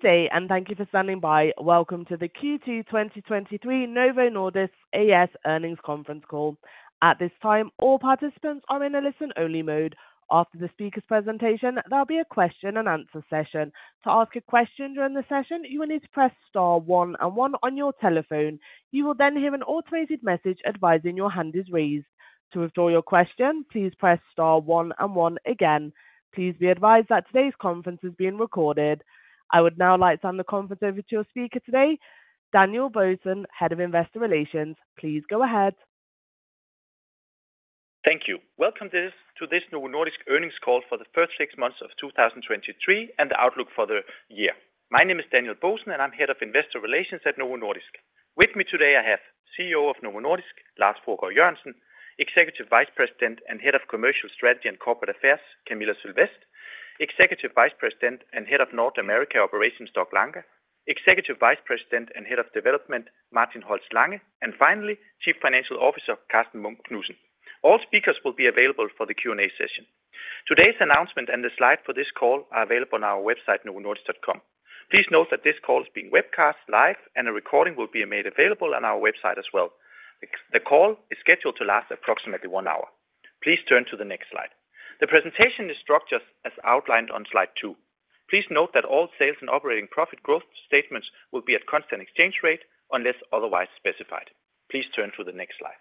Good day, and thank you for standing by. Welcome to the Q2 2023 Novo Nordisk A/S Earnings Conference Call. At this time, all participants are in a listen-only mode. After the speaker's presentation, there'll be a question-and-answer session. To ask a question during the session, you will need to press star one and one on your telephone. You will then hear an automated message advising your hand is raised. To withdraw your question, please press star one and one again. Please be advised that today's conference is being recorded. I would now like to hand the conference over to your speaker today, Daniel Bohsen, Head of Investor Relations. Please go ahead. Thank you. Welcome to this Novo Nordisk earnings call for the first six months of 2023, and the outlook for the year. My name is Daniel Bohsen, I'm Head of Investor Relations at Novo Nordisk. With me today, I have CEO of Novo Nordisk, Lars Fruergaard Jørgensen, Executive Vice President and Head of Commercial Strategy and Corporate Affairs, Camilla Sylvest, Executive Vice President and Head of North America Operations, Doug Langa, Executive Vice President and Head of Development, Martin Holst Lange, finally, Chief Financial Officer, Karsten Munk Knudsen. All speakers will be available for the Q&A session. Today's announcement the slide for this call are available on our website, novonordisk.com. Please note that this call is being webcast live, a recording will be made available on our website as well. The call is scheduled to last approximately one hour. Please turn to the next slide. The presentation is structured as outlined on slide two. Please note that all sales and operating profit growth statements will be at constant exchange rate, unless otherwise specified. Please turn to the next slide.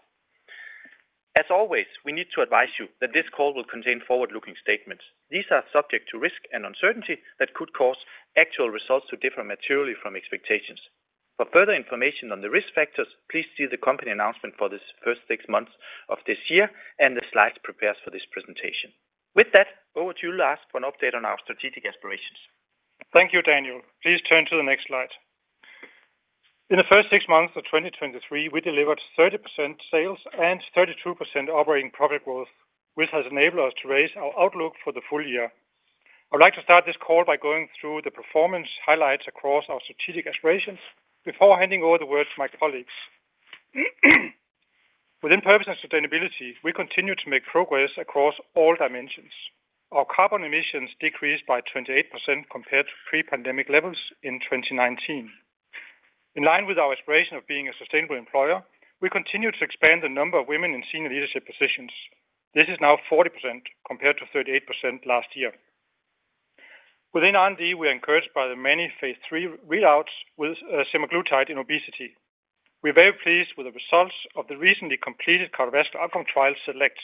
As always, we need to advise you that this call will contain forward-looking statements. These are subject to risk and uncertainty that could cause actual results to differ materially from expectations. For further information on the risk factors, please see the company announcement for this first six months of this year, and the slides prepares for this presentation. With that, over to you, Lars, for an update on our strategic aspirations. Thank you, Daniel. Please turn to the next slide. In the first six months of 2023, we delivered 30% sales and 32% operating profit growth, which has enabled us to raise our outlook for the full year. I'd like to start this call by going through the performance highlights across our strategic aspirations before handing over the word to my colleagues. Within purpose and sustainability, we continue to make progress across all dimensions. Our carbon emissions decreased by 28% compared to pre-pandemic levels in 2019. In line with our aspiration of being a sustainable employer, we continue to expand the number of women in senior leadership positions. This is now 40%, compared to 38% last year. Within R&D, we are encouraged by the many phase three readouts with semaglutide in obesity. We're very pleased with the results of the recently completed cardiovascular outcome trial, SELECT.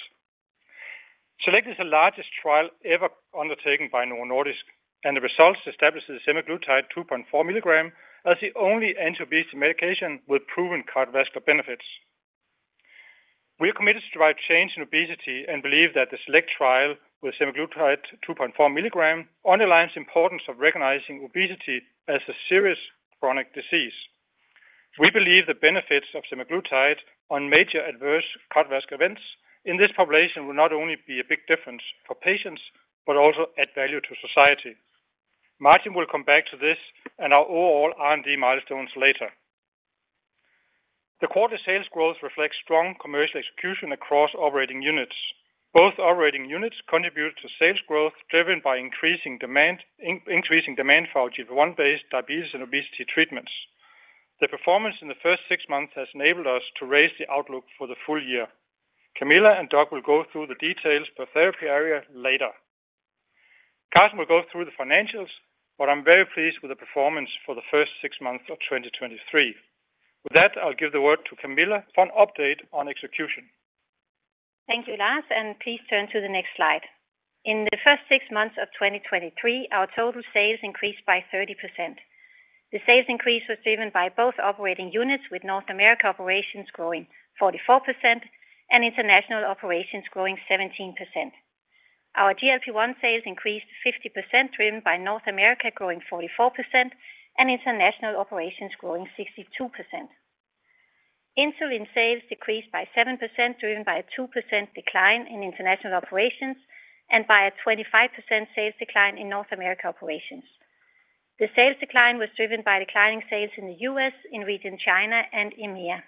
SELECT is the largest trial ever undertaken by Novo Nordisk, the results establishes semaglutide 2.4 milligram as the only anti-obesity medication with proven cardiovascular benefits. We are committed to drive change in obesity and believe that the SELECT trial with semaglutide 2.4 milligram underlines the importance of recognizing obesity as a serious chronic disease. We believe the benefits of semaglutide on major adverse cardiovascular events in this population will not only be a big difference for patients, but also add value to society. Martin will come back to this and our overall R&D milestones later. The quarter sales growth reflects strong commercial execution across operating units. Both operating units contribute to sales growth, driven by increasing demand, increasing demand for our GLP-1-based diabetes and obesity treatments. The performance in the first 6 months has enabled us to raise the outlook for the full year. Camilla and Doug will go through the details per therapy area later. Karsten will go through the financials, but I'm very pleased with the performance for the first 6 months of 2023. With that, I'll give the word to Camilla for an update on execution. Thank you, Lars. Please turn to the next slide. In the first 6 months of 2023, our total sales increased by 30%. The sales increase was driven by both operating units, with North America Operations growing 44% and international operations growing 17%. Our GLP-1 sales increased 50%, driven by North America growing 44% and international operations growing 62%. Insulin sales decreased by 7%, driven by a 2% decline in international operations and by a 25% sales decline in North America Operations. The sales decline was driven by declining sales in the US, in region China, and EMEA.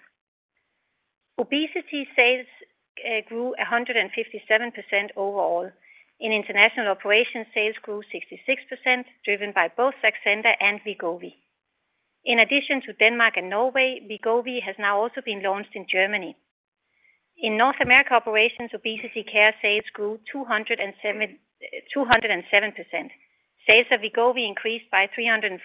Obesity sales grew 157% overall. In international operations, sales grew 66%, driven by both Saxenda and Wegovy. In addition to Denmark and Norway, Wegovy has now also been launched in Germany. In North America Operations, obesity care sales grew 207%. Sales of Wegovy increased by 344%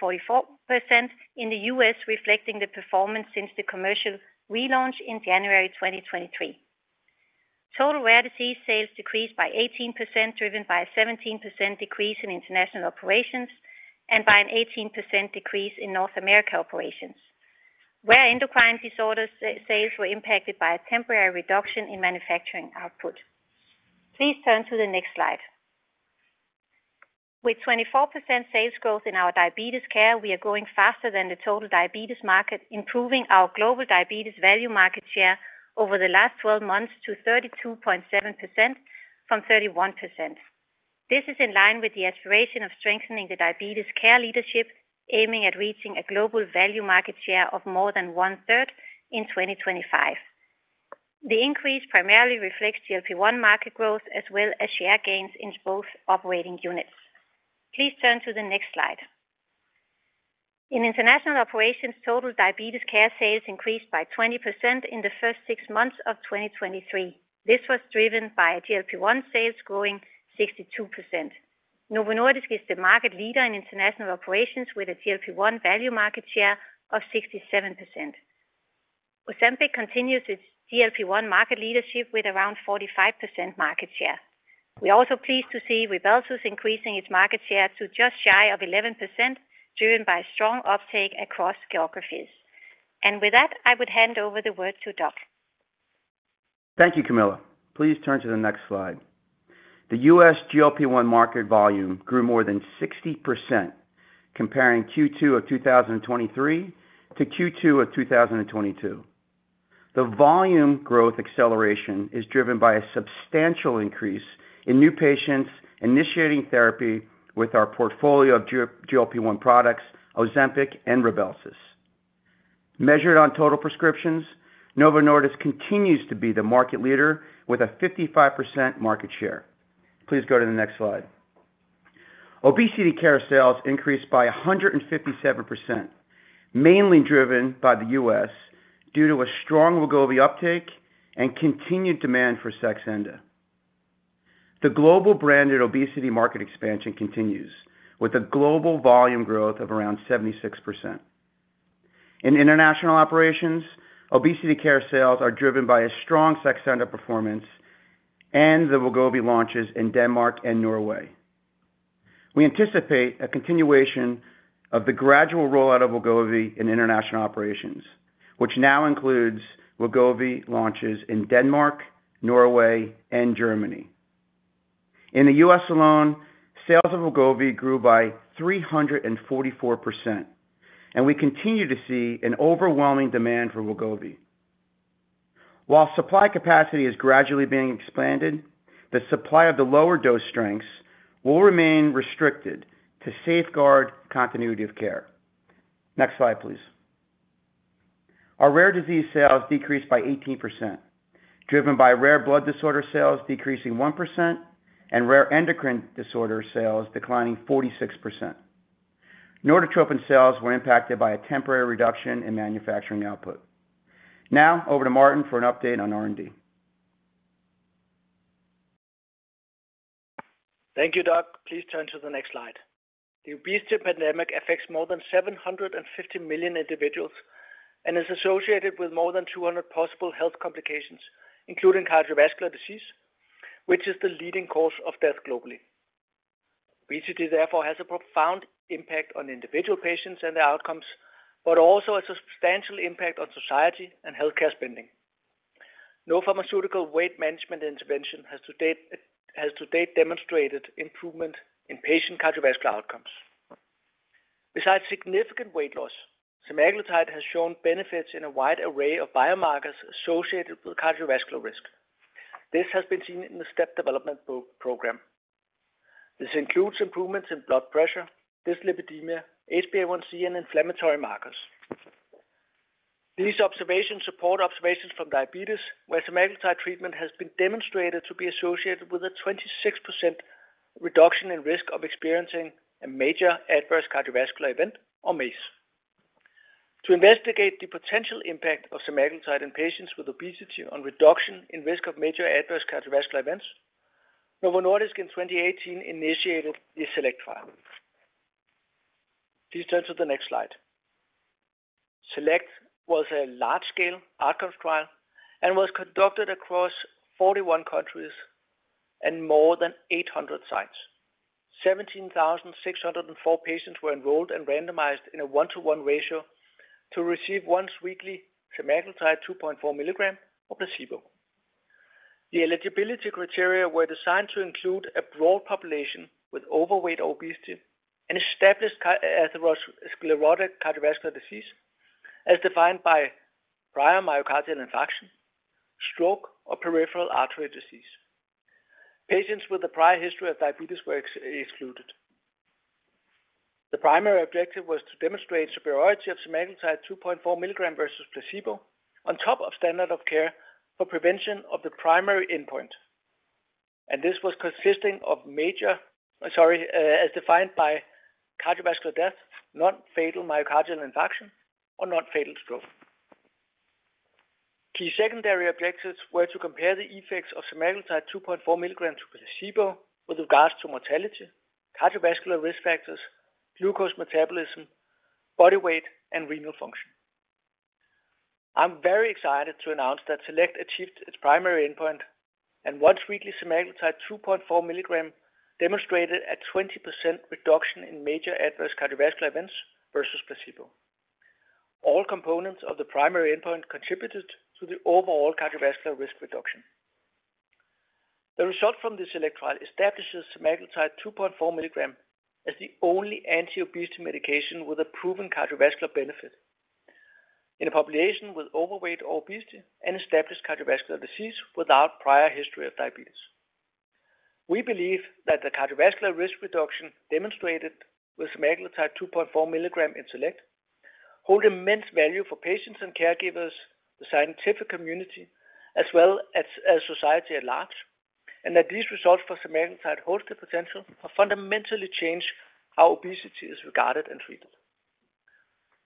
in the U.S., reflecting the performance since the commercial relaunch in January 2023. Total rare disease sales decreased by 18%, driven by a 17% decrease in international operations and by an 18% decrease in North America Operations, where endocrine disorders sales were impacted by a temporary reduction in manufacturing output. Please turn to the next slide. With 24% sales growth in our diabetes care, we are growing faster than the total diabetes market, improving our global diabetes value market share over the last 12 months to 32.7% from 31%. This is in line with the aspiration of strengthening the diabetes care leadership, aiming at reaching a global value market share of more than one-third in 2025. The increase primarily reflects GLP-1 market growth, well as share gains in both operating units. Please turn to the next slide. In international operations, total diabetes care sales increased by 20% in the first six months of 2023. This was driven by GLP-1 sales growing 62%. Novo Nordisk is the market leader in international operations, with a GLP-1 value market share of 67%. Ozempic continues its GLP-1 market leadership with around 45% market share. We are also pleased to see Rybelsus increasing its market share to just shy of 11%, driven by strong uptake across geographies. With that, I would hand over the word to Doug. Thank you, Camilla. Please turn to the next slide. The U.S. GLP-1 market volume grew more than 60%, comparing Q2 of 2023 to Q2 of 2022. The volume growth acceleration is driven by a substantial increase in new patients initiating therapy with our portfolio of GLP-1 products, Ozempic and Rybelsus. Measured on total prescriptions, Novo Nordisk continues to be the market leader with a 55% market share. Please go to the next slide. Obesity care sales increased by 157%, mainly driven by the U.S., due to a strong Wegovy uptake and continued demand for Saxenda. The global branded obesity market expansion continues with a global volume growth of around 76%. In international operations, obesity care sales are driven by a strong Saxenda performance and the Wegovy launches in Denmark and Norway. We anticipate a continuation of the gradual rollout of Wegovy in international operations, which now includes Wegovy launches in Denmark, Norway, and Germany. In the U.S. alone, sales of Wegovy grew by 344%, we continue to see an overwhelming demand for Wegovy. While supply capacity is gradually being expanded, the supply of the lower dose strengths will remain restricted to safeguard continuity of care. Next slide, please. Our rare disease sales decreased by 18%, driven by rare blood disorder sales decreasing 1% and rare endocrine disorder sales declining 46%. Norditropin sales were impacted by a temporary reduction in manufacturing output. Over to Martin for an update on R&D. Thank you, Doug. Please turn to the next slide. The obesity pandemic affects more than 750 million individuals and is associated with more than 200 possible health complications, including cardiovascular disease, which is the leading cause of death globally. Obesity, therefore, has a profound impact on individual patients and their outcomes, but also a substantial impact on society and healthcare spending. No pharmaceutical weight management intervention has to date, has to date demonstrated improvement in patient cardiovascular outcomes. Besides significant weight loss, semaglutide has shown benefits in a wide array of biomarkers associated with cardiovascular risk. This has been seen in the STEP development program. This includes improvements in blood pressure, dyslipidemia, HbA1c, and inflammatory markers. These observations support observations from diabetes, where semaglutide treatment has been demonstrated to be associated with a 26% reduction in risk of experiencing a major adverse cardiovascular event or MACE. To investigate the potential impact of semaglutide in patients with obesity on reduction in risk of major adverse cardiovascular events, Novo Nordisk in 2018 initiated the SELECT trial. Please turn to the next slide. SELECT was a large-scale outcomes trial and was conducted across 41 countries and more than 800 sites. 17,604 patients were enrolled and randomized in a one-to-one ratio to receive once-weekly semaglutide, 2.4 milligram or placebo. The eligibility criteria were designed to include a broad population with overweight obesity and established atherosclerotic cardiovascular disease, as defined by prior myocardial infarction, stroke, or peripheral artery disease. Patients with a prior history of diabetes were excluded. The primary objective was to demonstrate superiority of semaglutide 2.4 milligram versus placebo on top of standard of care for prevention of the primary endpoint. This was consisting of as defined by cardiovascular death, non-fatal myocardial infarction, or non-fatal stroke. Key secondary objectives were to compare the effects of semaglutide 2.4 milligrams with placebo with regards to mortality, cardiovascular risk factors, glucose metabolism, body weight, and renal function. I'm very excited to announce that SELECT achieved its primary endpoint, once-weekly semaglutide 2.4 milligram demonstrated a 20% reduction in major adverse cardiovascular events versus placebo. All components of the primary endpoint contributed to the overall cardiovascular risk reduction. The result from the SELECT trial establishes semaglutide 2.4 mg as the only anti-obesity medication with a proven cardiovascular benefit in a population with overweight or obesity and established cardiovascular disease without prior history of diabetes. We believe that the cardiovascular risk reduction demonstrated with semaglutide 2.4 mg in SELECT hold immense value for patients and caregivers, the scientific community, as well as society at large, and that these results for semaglutide hold the potential to fundamentally change how obesity is regarded and treated.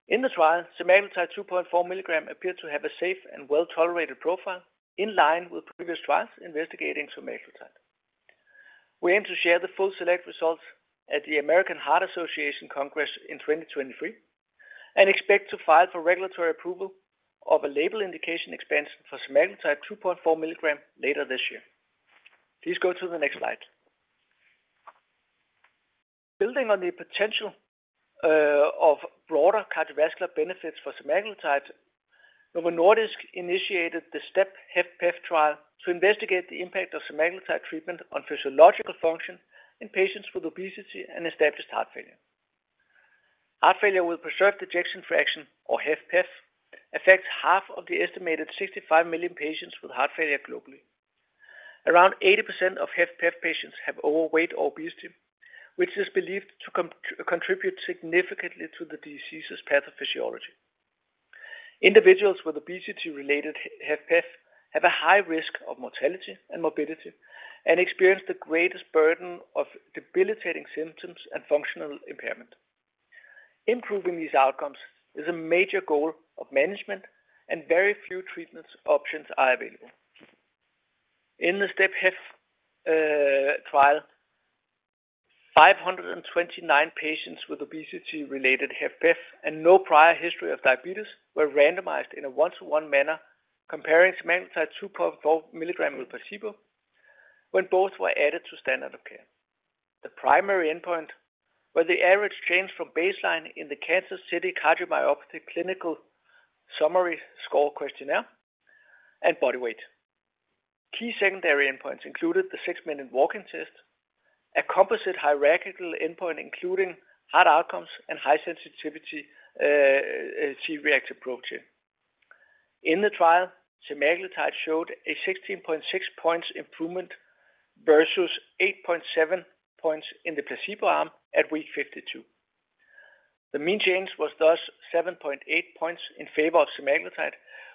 In the trial, semaglutide 2.4 mg appeared to have a safe and well-tolerated profile in line with previous trials investigating semaglutide. We aim to share the full SELECT results at the American Heart Association Congress in 2023, and expect to file for regulatory approval of a label indication expansion for semaglutide 2.4 mg later this year. Please go to the next slide. Building on the potential of broader cardiovascular benefits for semaglutide, Novo Nordisk initiated the STEP-HFpEF trial to investigate the impact of semaglutide treatment on physiological function in patients with obesity and established heart failure. Heart failure with preserved ejection fraction, or HFpEF, affects half of the estimated 65 million patients with heart failure globally. Around 80% of HFpEF patients have overweight or obesity, which is believed to contribute significantly to the disease's pathophysiology. Individuals with obesity-related HFpEF have a high risk of mortality and morbidity, and experience the greatest burden of debilitating symptoms and functional impairment. Improving these outcomes is a major goal of management, and very few treatment options are available. In the STEP-HFpEF trial, 529 patients with obesity-related HFpEF and no prior history of diabetes were randomized in a 1-to-1 manner, comparing semaglutide 2.4 milligram with placebo when both were added to standard of care. The primary endpoint was the average change from baseline in the Kansas City Cardiomyopathy Questionnaire Clinical Summary Score and body weight. Key secondary endpoints included the six-minute walk test, a composite hierarchical endpoint, including heart outcomes and high sensitivity C-reactive protein. In the trial, semaglutide showed a 16.6 points improvement versus 8.7 points in the placebo arm at week 52. The mean change was thus 7.8 points in favor of semaglutide,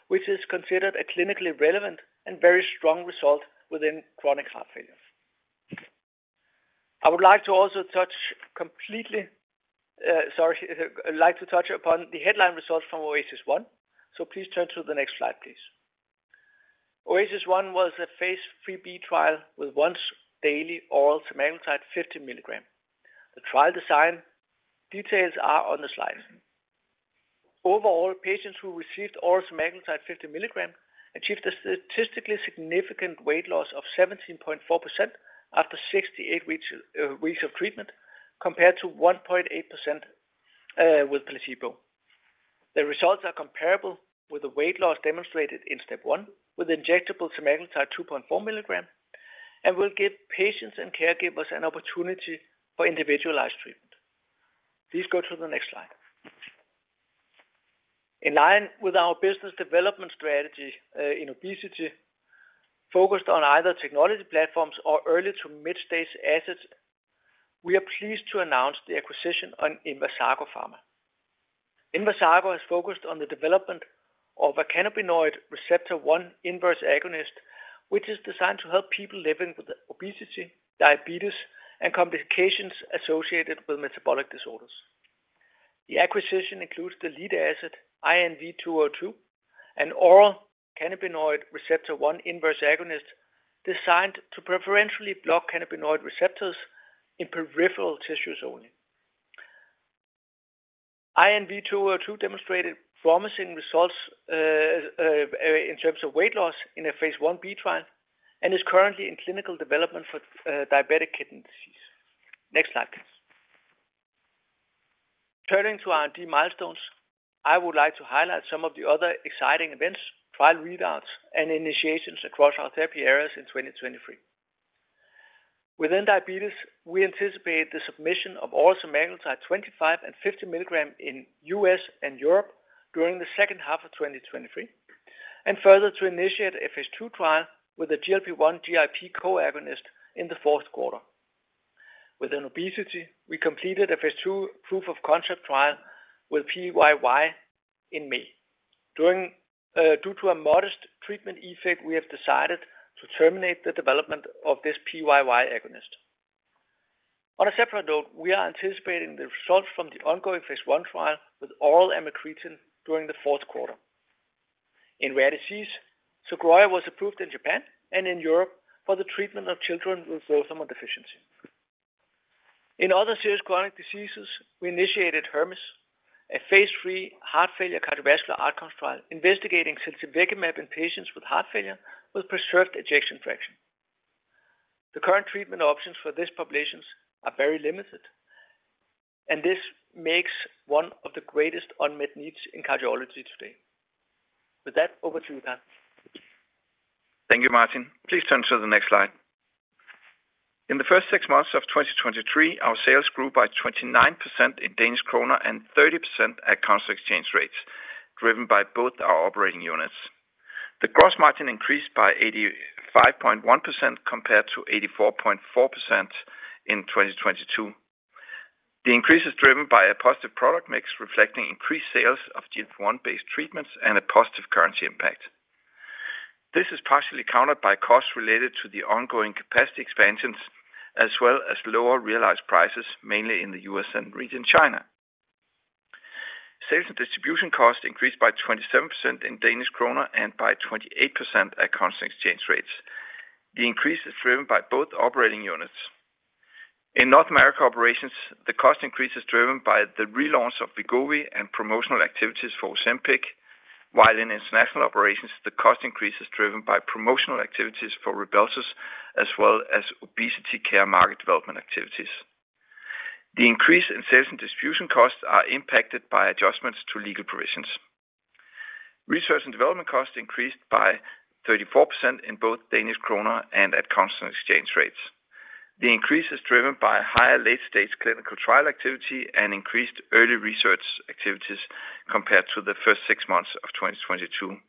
which is considered a clinically relevant and very strong result within chronic heart failure. I'd like to touch upon the headline results from OASIS 1. Please turn to the next slide, please. OASIS 1 was a phase 3b trial with once daily oral semaglutide 50 milligram. The trial design details are on the slide. Overall, patients who received oral semaglutide 50 milligram achieved a statistically significant weight loss of 17.4% after 68 weeks of treatment, compared to 1.8% with placebo. The results are comparable with the weight loss demonstrated in STEP 1, with injectable semaglutide 2.4 milligram, and will give patients and caregivers an opportunity for individualized treatment. Please go to the next slide. In line with our business development strategy, in obesity, focused on either technology platforms or early to mid-stage assets, we are pleased to announce the acquisition on Inversago Pharma. Inversago is focused on the development of a cannabinoid receptor 1 inverse agonist, which is designed to help people living with obesity, diabetes, and complications associated with metabolic disorders. The acquisition includes the lead asset, INV-202, an oral cannabinoid receptor 1 inverse agonist designed to preferentially block cannabinoid receptors in peripheral tissues only. INV-202 demonstrated promising results in terms of weight loss in a phase 1B trial, and is currently in clinical development for diabetic kidney disease. Next slide, please. Turning to R&D milestones, I would like to highlight some of the other exciting events, trial readouts, and initiations across our therapy areas in 2023. Within diabetes, we anticipate the submission of oral semaglutide 25 and 50 mg in U.S. and Europe during the second half of 2023, and further to initiate a phase 2 trial with the GLP-1/GIP co-agonist in the 4th quarter. Within obesity, we completed a phase 2 proof of concept trial with PYY in May. During due to a modest treatment effect, we have decided to terminate the development of this PYY agonist. On a separate note, we are anticipating the results from the ongoing phase 1 trial with oral amycretin during the 4th quarter. In rare disease, Sogroya was approved in Japan and in Europe for the treatment of children with growth hormone deficiency. In other serious chronic diseases, we initiated HERMES, a phase 3 heart failure cardiovascular outcome trial, investigating ziltivekimab in patients with heart failure with preserved ejection fraction. The current treatment options for these populations are very limited, and this makes one of the greatest unmet needs in cardiology today. With that, over to you, Kar. Thank you, Martin. Please turn to the next slide. In the first six months of 2023, our sales grew by 29% in Danish kroner and 30% at constant exchange rates, driven by both our operating units. The gross margin increased by 85.1% compared to 84.4% in 2022. The increase is driven by a positive product mix, reflecting increased sales of GLP-1 based treatments and a positive currency impact. This is partially countered by costs related to the ongoing capacity expansions, as well as lower realized prices, mainly in the US and region China. Sales and distribution costs increased by 27% in Danish kroner and by 28% at constant exchange rates. The increase is driven by both operating units. In North America Operations, the cost increase is driven by the relaunch of Wegovy and promotional activities for Ozempic, while in international operations, the cost increase is driven by promotional activities for Rybelsus as well as obesity care market development activities. The increase in sales and distribution costs are impacted by adjustments to legal provisions. Research and development costs increased by 34% in both Danish kroner and at constant exchange rates. The increase is driven by higher late-stage clinical trial activity and increased early research activities compared to the first six months of 2022.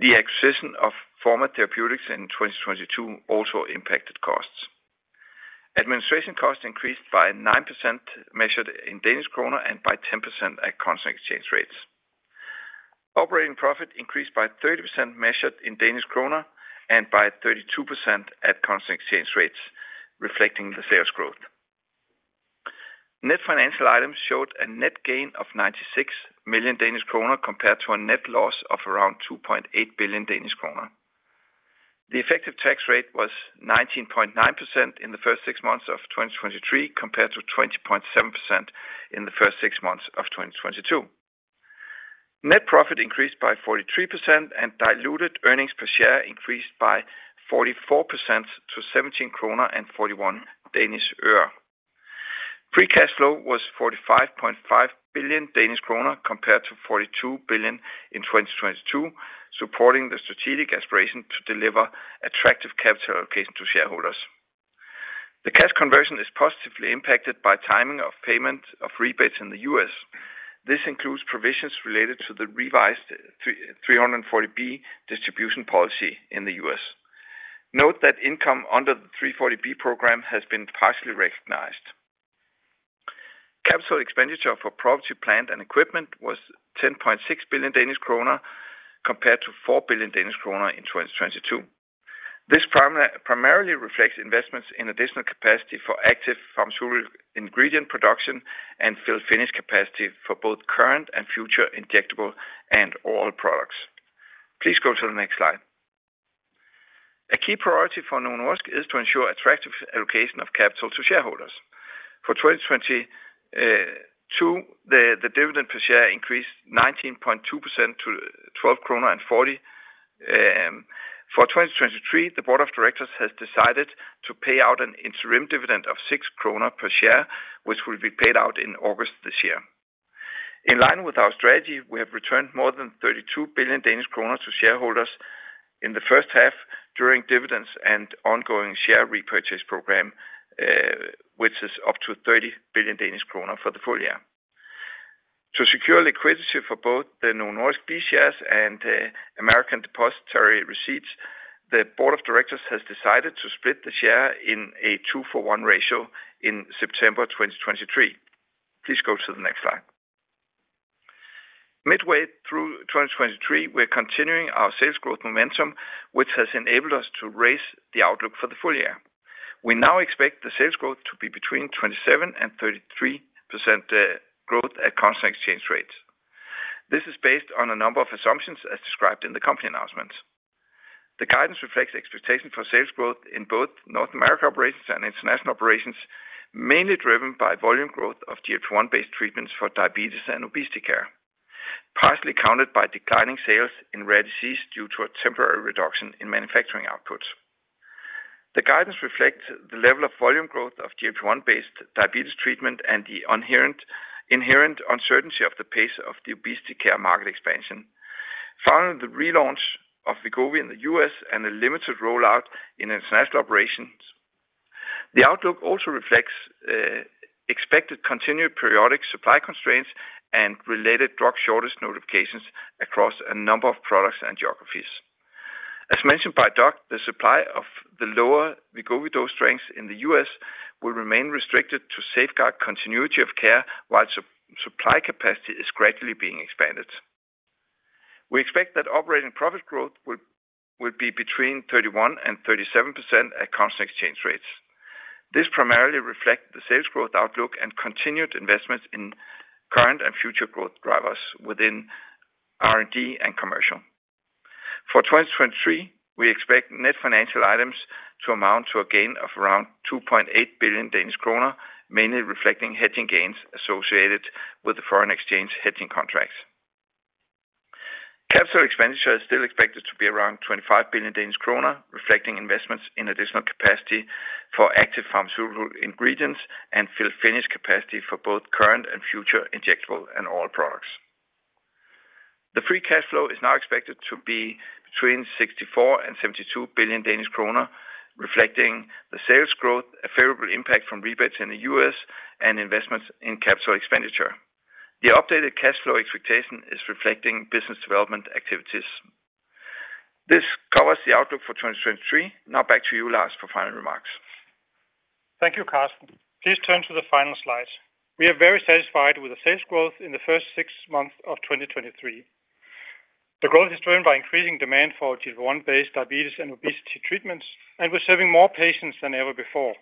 The acquisition of Forma Therapeutics in 2022 also impacted costs. Administration costs increased by 9%, measured in Danish kroner and by 10% at constant exchange rates. Operating profit increased by 30%, measured in Danish kroner, and by 32% at constant exchange rates, reflecting the sales growth. Net financial items showed a net gain of 96 million Danish kroner compared to a net loss of around 2.8 billion Danish kroner. The effective tax rate was 19.9% in the first six months of 2023, compared to 20.7% in the first six months of 2022. Net profit increased by 43%, and diluted earnings per share increased by 44% to DKK 17.41. Free cash flow was 45.5 billion Danish kroner, compared to 42 billion in 2022, supporting the strategic aspiration to deliver attractive capital allocation to shareholders. The cash conversion is positively impacted by timing of payment of rebates in the U.S. This includes provisions related to the revised 340B distribution policy in the U.S. Note that income under the 340B program has been partially recognized. Capital expenditure for property, plant, and equipment was 10.6 billion Danish kroner, compared to 4 billion Danish kroner in 2022. This primarily reflects investments in additional capacity for active pharmaceutical ingredient production and fill finish capacity for both current and future injectable and oral products. Please go to the next slide. A key priority for Novo Nordisk is to ensure attractive allocation of capital to shareholders. For 2022, the dividend per share increased 19.2% to 12.40 kroner. For 2023, the board of directors has decided to pay out an interim dividend of 6 kroner per share, which will be paid out in August this year. In line with our strategy, we have returned more than 32 billion Danish kroner to shareholders in the first half during dividends and ongoing share repurchase program, which is up to 30 billion Danish kroner for the full year. To secure liquidity for both the Novo Nordisk B shares and American depositary receipts, the board of directors has decided to split the share in a 2-for-1 ratio in September 2023. Please go to the next slide. Midway through 2023, we're continuing our sales growth momentum, which has enabled us to raise the outlook for the full year. We now expect the sales growth to be between 27% and 33% growth at constant exchange rates. This is based on a number of assumptions, as described in the company announcements. The guidance reflects expectation for sales growth in both North America Operations and international operations, mainly driven by volume growth of GLP-1 based treatments for diabetes and obesity care, partially countered by declining sales in rare disease due to a temporary reduction in manufacturing outputs. The guidance reflects the level of volume growth of GLP-1 based diabetes treatment and the inherent uncertainty of the pace of the obesity care market expansion. Following the relaunch of Wegovy in the US and a limited rollout in international operations, the outlook also reflects expected continued periodic supply constraints and related drug shortage notifications across a number of products and geographies. As mentioned by Doug, the supply of the lower Wegovy dose strengths in the US will remain restricted to safeguard continuity of care while supply capacity is gradually being expanded. We expect that operating profit growth will be between 31%-37% at constant exchange rates. This primarily reflects the sales growth outlook and continued investments in current and future growth drivers within R&D and commercial. For 2023, we expect net financial items to amount to a gain of around 2.8 billion Danish kroner, mainly reflecting hedging gains associated with the foreign exchange hedging contracts. Capital expenditure is still expected to be around 25 billion Danish kroner, reflecting investments in additional capacity for active pharmaceutical ingredients and fill finished capacity for both current and future injectable and oral products. The free cash flow is now expected to be between 64 billion-72 billion Danish kroner, reflecting the sales growth, a favorable impact from rebates in the US, and investments in capital expenditure. The updated cash flow expectation is reflecting business development activities. This covers the outlook for 2023. Back to you, Lars, for final remarks. Thank you, Karsten. Please turn to the final slide. We are very satisfied with the sales growth in the first 6 months of 2023. The growth is driven by increasing demand for GLP-1 based diabetes and obesity treatments, and we're serving more patients than ever before.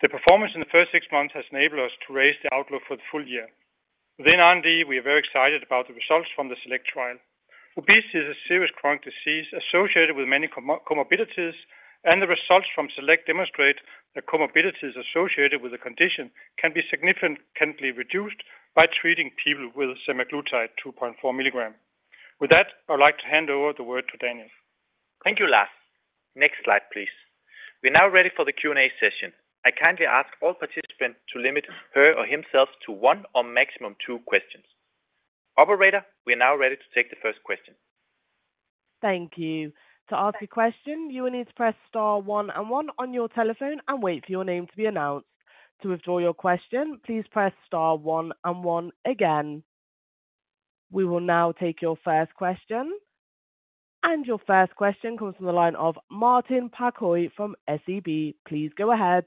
The performance in the first 6 months has enabled us to raise the outlook for the full year. Within R&D, we are very excited about the results from the SELECT trial. Obesity is a serious chronic disease associated with many comorbidities, and the results from SELECT demonstrate that comorbidities associated with the condition can be significantly reduced by treating people with semaglutide 2.4 milligrams. With that, I would like to hand over the word to Daniel. Thank you, Lars. Next slide, please. We are now ready for the Q&A session. I kindly ask all participants to limit her or himself to 1 or maximum 2 questions. Operator, we are now ready to take the first question. Thank you. To ask a question, you will need to press star one and one on your telephone and wait for your name to be announced. To withdraw your question, please press star one and one again. We will now take your first question. Your first question comes from the line of Martin Parkhøi from SEB. Please go ahead.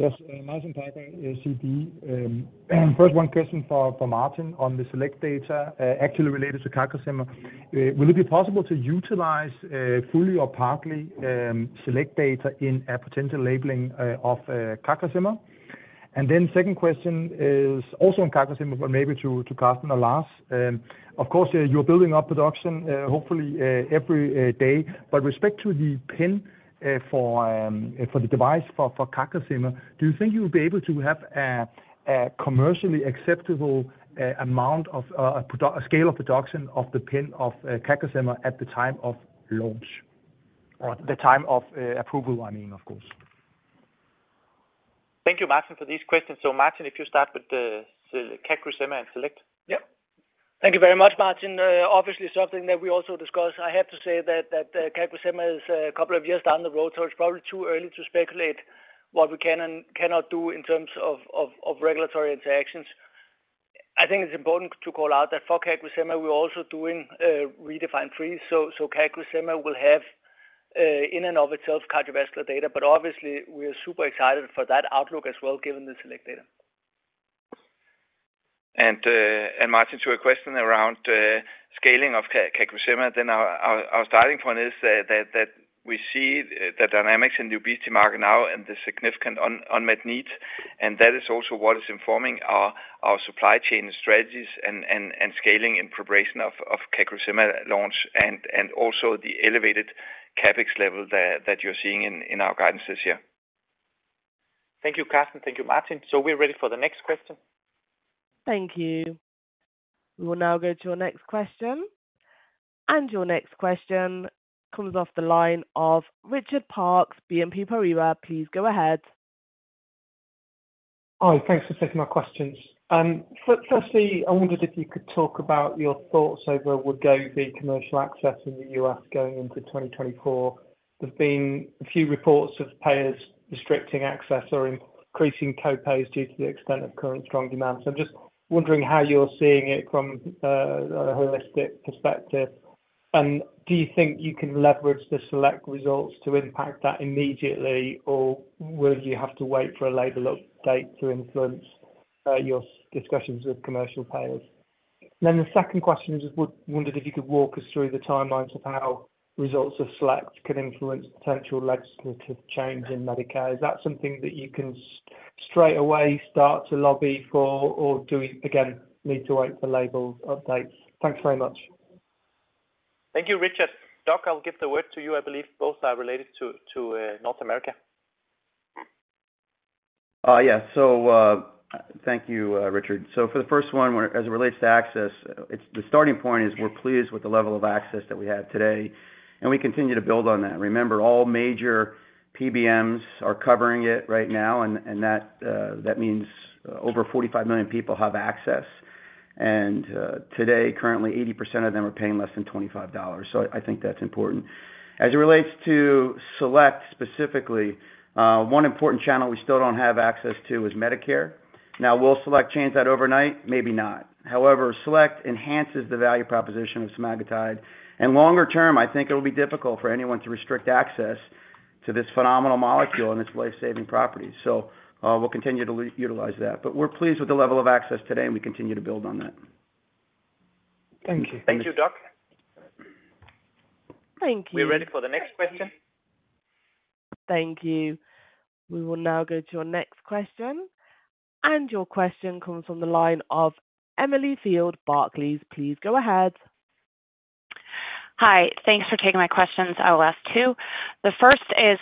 Yes, Martin Parkhøi, SEB. First one question for Martin on the SELECT data, actually related to CagriSema. Will it be possible to utilize fully or partly SELECT data in a potential labeling of CagriSema? Second question is also on CagriSema, but maybe to Karsten or Lars. Of course, you're building up production hopefully every day, but with respect to the pen for the device for CagriSema, do you think you'll be able to have a commercially acceptable amount of scale of production of the pen of CagriSema at the time of launch, or the time of approval, I mean, of course? Thank you, Martin, for these questions. Martin, if you start with CagriSema and SELECT. Yep. Thank you very much, Martin. Obviously, something that we also discussed. I have to say that, that CagriSema is 2 years down the road, so it's probably too early to speculate what we can and cannot do in terms of, of, of regulatory interactions. I think it's important to call out that for CagriSema, we're also doing REDEFINE 3, so CagriSema will have in and of itself, cardiovascular data. Obviously, we are super excited for that outlook as well, given the SELECT data. Martin, to a question around scaling of CagriSema, then our starting point is that we see the dynamics in the obesity market now and the significant unmet need, and that is also what is informing our supply chain strategies and scaling in preparation of CagriSema launch and also the elevated CapEx level that you're seeing in our guidance this year. Thank you, Karsten. Thank you, Martin. We're ready for the next question. Thank you. We will now go to our next question. Your next question comes off the line of Richard Parkes, BNP Paribas. Please go ahead. Hi, thanks for taking my questions. Firstly, I wondered if you could talk about your thoughts over Wegovy commercial access in the US going into 2024. There's been a few reports of payers restricting access or increasing co-pays due to the extent of current strong demand. I'm just wondering how you're seeing it from a holistic perspective. Do you think you can leverage the SELECT results to impact that immediately, or will you have to wait for a label update to influence your discussions with commercial payers? The second question is, wondered if you could walk us through the timelines of how results of SELECT could influence potential legislative change in Medicare. Is that something that you can straight away start to lobby for, or do you, again, need to wait for label updates? Thanks very much. Thank you, Richard. Doug, I'll give the word to you. I believe both are related to, to, North America. Yeah. Thank you, Richard. For the first one, where as it relates to access, the starting point is we're pleased with the level of access that we have today, and we continue to build on that. Remember, all major PBMs are covering it right now, that means over 45 million people have access. Today, currently, 80% of them are paying less than $25. I think that's important. As it relates to SELECT specifically, one important channel we still don't have access to is Medicare. Now, will SELECT change that overnight? Maybe not. However, SELECT enhances the value proposition of semaglutide, and longer term, I think it'll be difficult for anyone to restrict access to this phenomenal molecule and its life-saving properties. We'll continue to utilize that. We're pleased with the level of access today, and we continue to build on that. Thank you. Thank you, Doug. Thank you. We're ready for the next question. Thank you. We will now go to our next question. Your question comes from the line of Emily Field, Barclays. Please go ahead. Hi, thanks for taking my questions. I will ask two. The first is,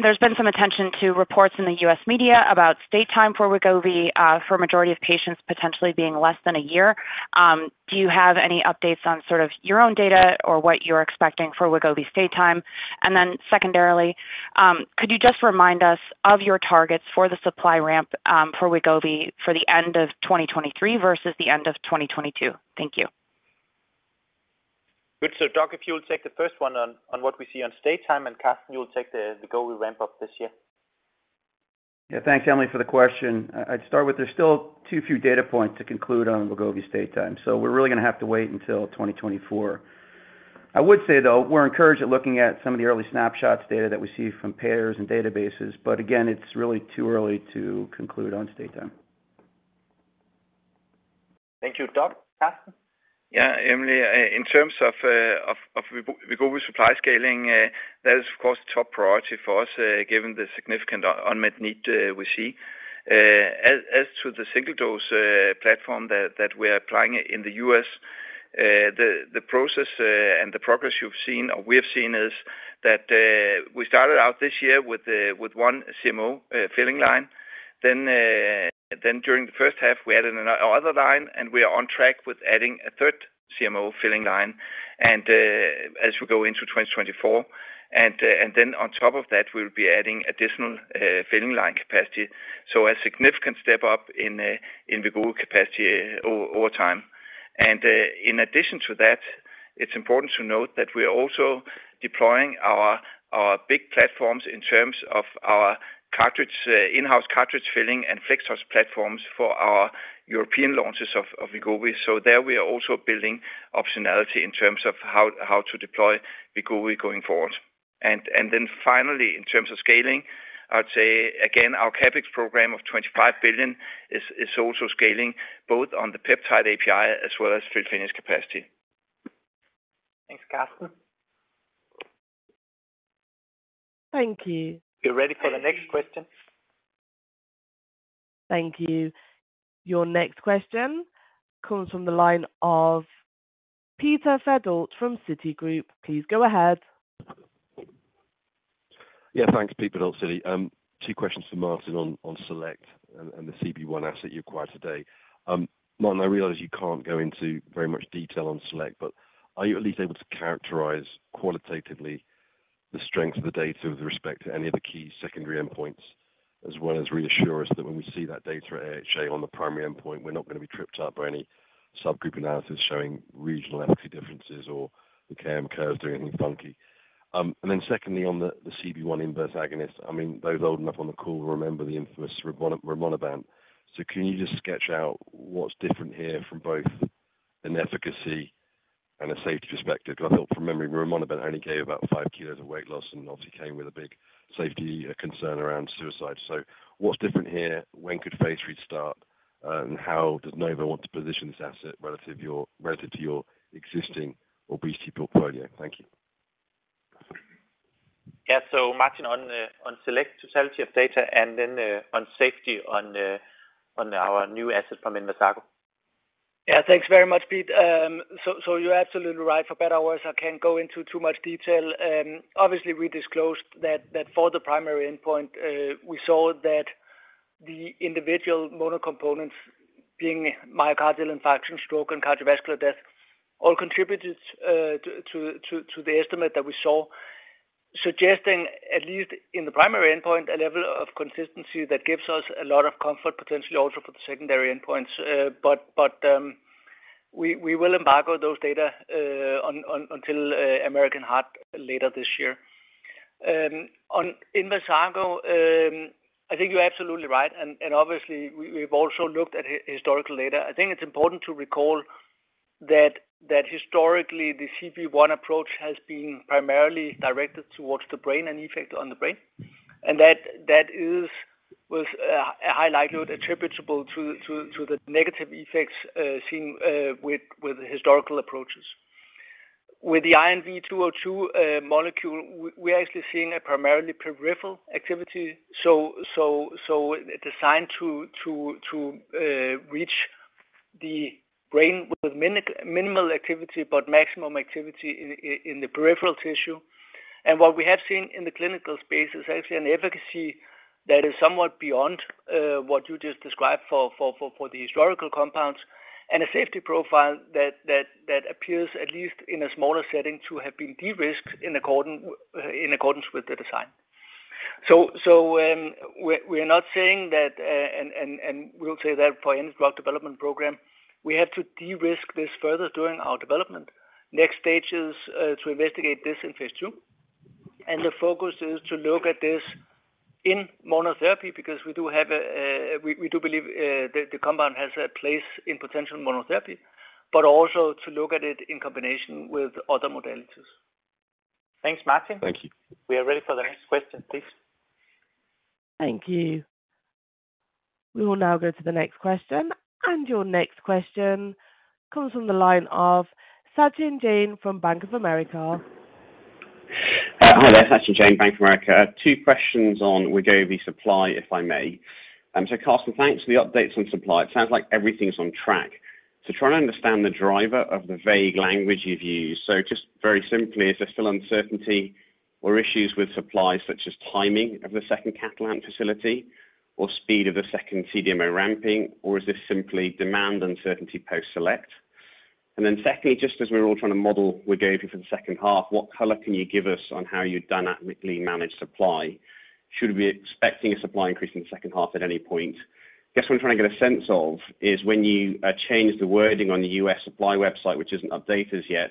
there's been some attention to reports in the U.S. media about stay time for Wegovy, for majority of patients potentially being less than a year. Do you have any updates on sort of your own data or what you're expecting for Wegovy stay time? Then secondarily, could you just remind us of your targets for the supply ramp, for Wegovy for the end of 2023 versus the end of 2022? Thank you. Good. Doug, if you will take the first one on, on what we see on stay time, and Karsten, you will take the, the Wegovy ramp up this year. Thanks, Emily, for the question. I'd start with there's still too few data points to conclude on Wegovy stay time. We're really gonna have to wait until 2024. I would say, though, we're encouraged at looking at some of the early snapshots data that we see from payers and databases. Again, it's really too early to conclude on stay time. Thank you, Doug. Karsten? Yeah, Emily, in terms of, of Wegovy supply scaling, that is, of course, top priority for us, given the significant unmet need, we see. As, as to the single dose platform that, that we are applying in the US, the, the process and the progress you've seen or we have seen is that, we started out this year with, with 1 CMO filling line. During the first half, we added another line, and we are on track with adding a 3rd CMO filling line, as we go into 2024. On top of that, we'll be adding additional filling line capacity. A significant step up in Wegovy capacity over time. In addition to that, it's important to note that we are also deploying our, our big platforms in terms of our cartridge, in-house cartridge filling and FlexTouch platforms for our European launches of Wegovy. There we are also building optionality in terms of how to deploy Wegovy going forward. Then finally, in terms of scaling, I'd say again, our CapEx program of 25 billion is also scaling both on the peptide API as well as fill finish capacity. Thanks, Karsten. Thank you. We're ready for the next question. Thank you. Your next question comes from the line of Peter Verdult from Citigroup. Please go ahead. Yeah, thanks, Peter Verdult, Citi. Two questions for Martin on SELECT and the CB1 asset you acquired today. Martin, I realize you can't go into very much detail on SELECT, but are you at least able to characterize qualitatively the strength of the data with respect to any of the key secondary endpoints, as well as reassure us that when we see that data at AHA on the primary endpoint, we're not gonna be tripped up by any subgroup analysis showing regional efficacy differences or the Kaplan-Meier curves doing anything funky? Secondly, on the CB1 inverse agonist, I mean, those old enough on the call remember the infamous Rimonabant. Can you just sketch out what's different here from both an efficacy and a safety perspective? I think from memory, Rimonabant only gave about 5 kilos of weight loss and obviously came with a big safety concern around suicide. What's different here? When could phase III start, and how does Novo want to position this asset relative to your existing obesity portfolio? Thank you. Yeah. Martin, on, on SELECT totality of data and then, on safety on, on our new asset from Inversago. Yeah, thanks very much, Pete. You're absolutely right. For better or worse, I can't go into too much detail. Obviously, we disclosed that for the primary endpoint, we saw that the individual monocomponents, being myocardial infarction, stroke, and cardiovascular death, all contributed to the estimate that we saw, suggesting, at least in the primary endpoint, a level of consistency that gives us a lot of comfort, potentially also for the secondary endpoints. We will embargo those data until American Heart later this year. On Inversago, I think you're absolutely right, obviously we've also looked at historical data. I think it's important to recall that historically, the CB1 approach has been primarily directed towards the brain and effect on the brain. That, that is, was a high likelihood attributable to, to, to the negative effects seen with, with historical approaches. With the INV-202 molecule, we are actually seeing a primarily peripheral activity, so, so, so designed to, to, to reach the brain with minimal activity, but maximum activity in, in the peripheral tissue. What we have seen in the clinical space is actually an efficacy that is somewhat beyond what you just described for, for, for, for the historical compounds, and a safety profile that, that, that appears, at least in a smaller setting, to have been de-risked in accordance, in accordance with the design. We're, we're not saying that, and, and, and we'll say that for any drug development program, we have to de-risk this further during our development. Next stage is to investigate this in phase 2. The focus is to look at this in monotherapy, because we do have a, we, we do believe, the compound has a place in potential monotherapy, but also to look at it in combination with other modalities. Thanks, Martin. Thank you. We are ready for the next question, please. Thank you. We will now go to the next question. Your next question comes from the line of Sachin Jain from Bank of America. Hi there, Sachin Jain, Bank of America. 2 questions on Wegovy supply, if I may. Karsten, thanks for the updates on supply. It sounds like everything's on track. Trying to understand the driver of the vague language you've used. Just very simply, is there still uncertainty or issues with supply, such as timing of the 2nd Catalent facility or speed of the 2nd CDMO ramping, or is this simply demand uncertainty post-SELECT? Then 2ndly, just as we're all trying to model, we're going for the 2nd half, what color can you give us on how you've dynamically managed supply? Should we be expecting a supply increase in the 2nd half at any point? Guess what I'm trying to get a sense of, is when you change the wording on the US supply website, which isn't updated as yet,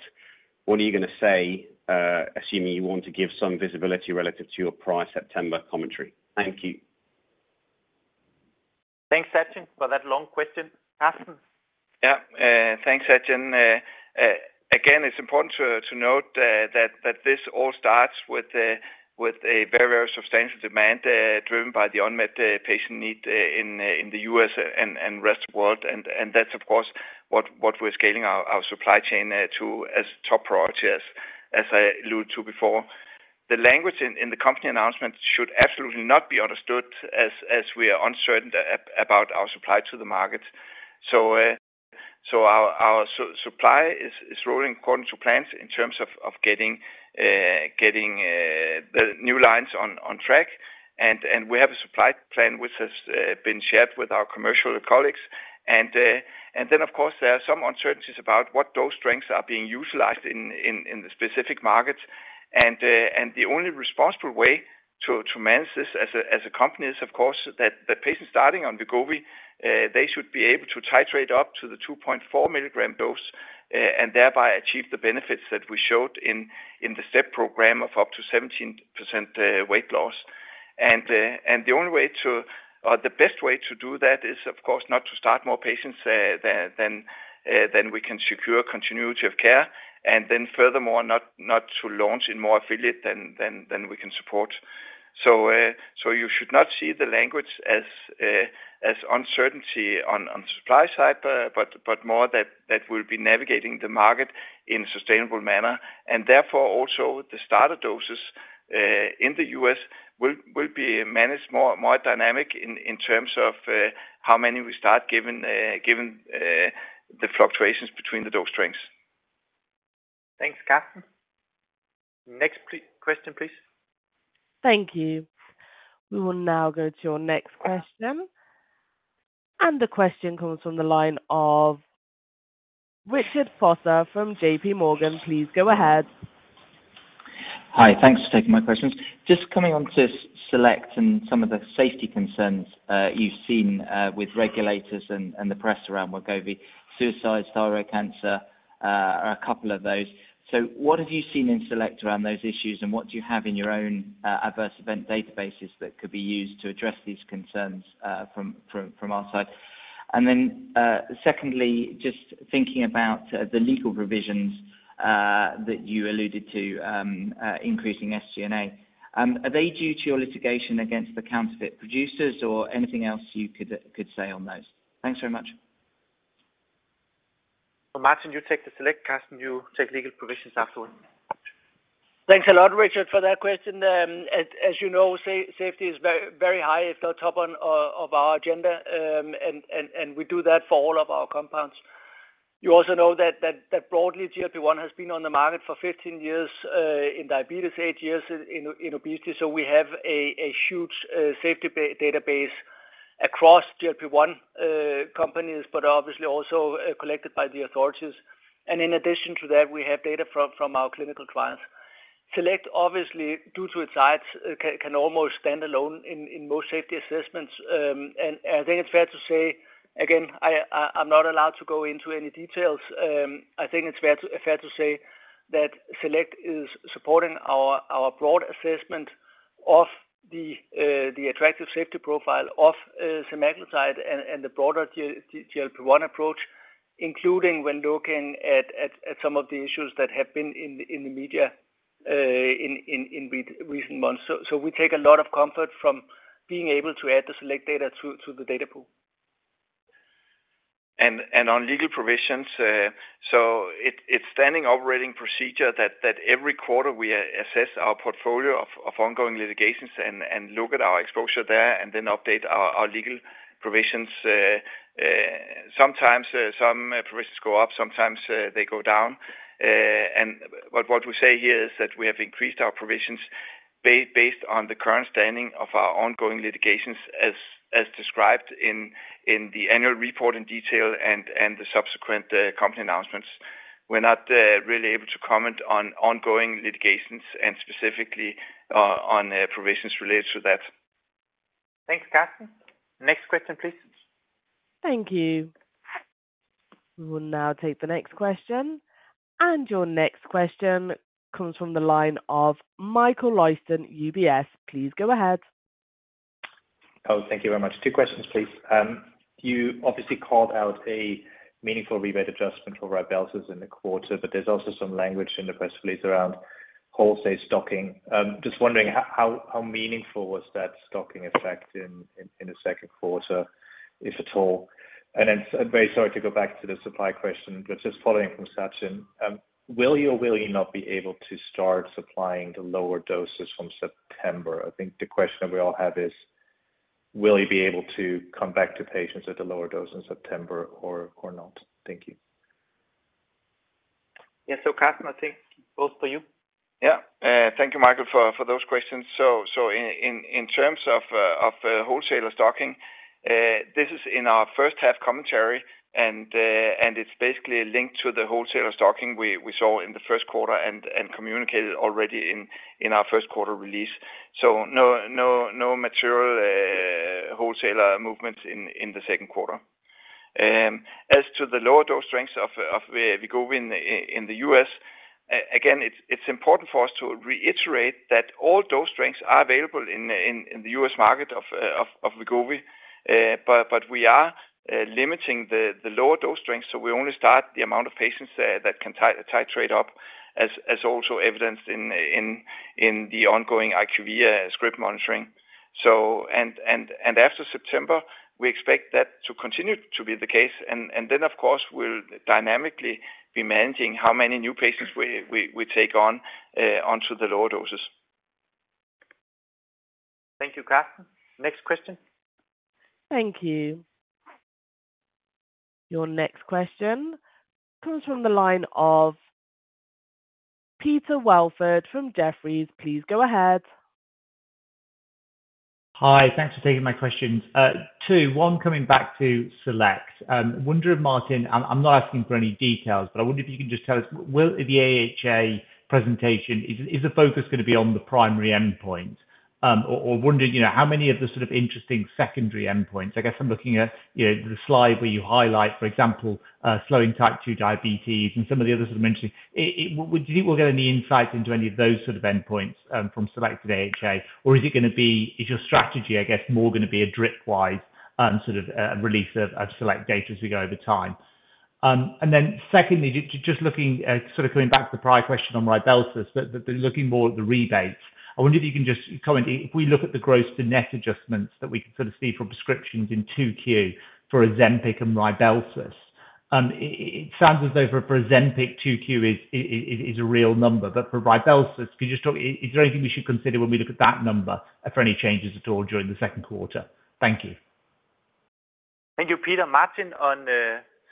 what are you gonna say? Assuming you want to give some visibility relative to your prior September commentary. Thank you. Thanks, Sachin, for that long question. Karsten? Yeah, thanks, Sachin. Again, it's important to note that this all starts with a very substantial demand driven by the unmet patient need in the US and rest of the world. That's, of course, what we're scaling our supply chain to as top priority, as I alluded to before. The language in the company announcement should absolutely not be understood as we are uncertain about our supply to the market. Our supply is rolling according to plans in terms of getting getting the new lines on track. We have a supply plan which has been shared with our commercial colleagues. Of course, there are some uncertainties about what dose strengths are being utilized in the specific markets. The only responsible way to manage this as a company is, of course, that the patients starting on Wegovy, they should be able to titrate up to the 2.4 milligram dose and thereby achieve the benefits that we showed in the STEP program of up to 17% weight loss. The only way to, or the best way to do that is, of course, not to start more patients than we can secure continuity of care, and furthermore, not to launch in more affiliate than we can support. You should not see the language as uncertainty on, on supply side, more that, that we'll be navigating the market in a sustainable manner. Therefore, also the starter doses in the US will, will be managed more, more dynamic in, in terms of, how many we start giving, giving, the fluctuations between the dose strengths. Thanks, Karsten. Next question, please. Thank you. We will now go to your next question. The question comes from the line of Richard Vosser from JP Morgan. Please go ahead. Hi, thanks for taking my questions. Just coming on to SELECT and some of the safety concerns you've seen with regulators and the press around Wegovy, suicide, thyroid cancer, are a couple of those. What have you seen in SELECT around those issues, and what do you have in your own adverse event databases that could be used to address these concerns from our side? Secondly, just thinking about the legal provisions that you alluded to, increasing SG&A. Are they due to your litigation against the counterfeit producers or anything else you could say on those? Thanks very much. Martin, you take the SELECT, Karsten, you take legal provisions afterwards. Thanks a lot, Richard, for that question. As you know, safety is very, very high at the top on of our agenda, and we do that for all of our compounds. You also know that broadly, GLP-1 has been on the market for 15 years in diabetes, eight years in obesity. We have a huge safety database across GLP-1 companies, but obviously also collected by the authorities. In addition to that, we have data from our clinical trials. SELECT, obviously, due to its sides, can almost stand alone in most safety assessments. I think it's fair to say, again, I'm not allowed to go into any details. I think it's fair to, fair to say that SELECT is supporting our, our broad assessment of the attractive safety profile of semaglutide and, and the broader GLP-1 approach, including when looking at, at, at some of the issues that have been in the, in the media, in, in, in recent months. We take a lot of comfort from being able to add the SELECT data to, to the data pool. On legal provisions, it's standing operating procedure that every quarter we assess our portfolio of ongoing litigations and look at our exposure there and then update our legal provisions. Sometimes, some provisions go up, sometimes they go down. What we say here is that we have increased our provisions based on the current standing of our ongoing litigations as described in the annual report in detail and the subsequent company announcements. We're not really able to comment on ongoing litigations and specifically on provisions related to that. Thanks, Karsten. Next question, please. Thank you. We will now take the next question. Your next question comes from the line of Michael Leuchten, UBS. Please go ahead. Oh, thank you very much. Two questions, please. You obviously called out a meaningful rebate adjustment for Rybelsus in the quarter, but there's also some language in the press release around wholesale stocking. Just wondering how meaningful was that stocking effect in the second quarter, if at all? Very sorry to go back to the supply question, but just following from Sachin, will you or will you not be able to start supplying the lower doses from September? I think the question we all have is: Will you be able to come back to patients at the lower dose in September or not? Thank you. Yeah, Karsten, I think both for you. Yeah, thank you, Michael, for, for those questions. In, in, in terms of, of wholesaler stocking, this is in our first half commentary, it's basically a link to the wholesaler stocking we, we saw in the first quarter and, communicated already in, in our first quarter release. No, no, no material wholesaler movements in, in the second quarter. As to the lower dose strengths of, of Wegovy in the, in the US, again, it's, it's important for us to reiterate that all dose strengths are available in, in, in the US market of, of Wegovy, we are limiting the, the lower dose strengths, so we only start the amount of patients that can titrate up, as, as also evidenced in, in, in the ongoing IQVIA script monitoring. After September, we expect that to continue to be the case, and then of course, we'll dynamically be managing how many new patients we take on onto the lower doses. Thank you, Karsten. Next question. Thank you. Your next question comes from the line of Peter Welford from Jefferies. Please go ahead. Hi. Thanks for taking my questions. Two, one coming back to SELECT. Wonder if Martin, I'm, I'm not asking for any details, but I wonder if you can just tell us, will the AHA presentation, is, is the focus gonna be on the primary endpoint? Or wondering, you know, how many of the sort of interesting secondary endpoints, I guess I'm looking at, you know, the slide where you highlight, for example, slowing type 2 diabetes and some of the others you mentioned. Do you think we'll get any insights into any of those sort of endpoints from SELECT at AHA? Or is it gonna be, is your strategy, I guess, more gonna be a drip wise sort of release of SELECT data as we go over time? Then secondly, just, just looking, sort of coming back to the prior question on Rybelsus, but, but looking more at the rebates. I wonder if you can just comment, if we look at the gross to net adjustments that we can sort of see from prescriptions in 2Q for Ozempic and Rybelsus, it sounds as though for Ozempic, 2Q is a real number, but for Rybelsus, can you just talk? Is there anything we should consider when we look at that number for any changes at all during the second quarter? Thank you. Thank you, Peter. Martin, on,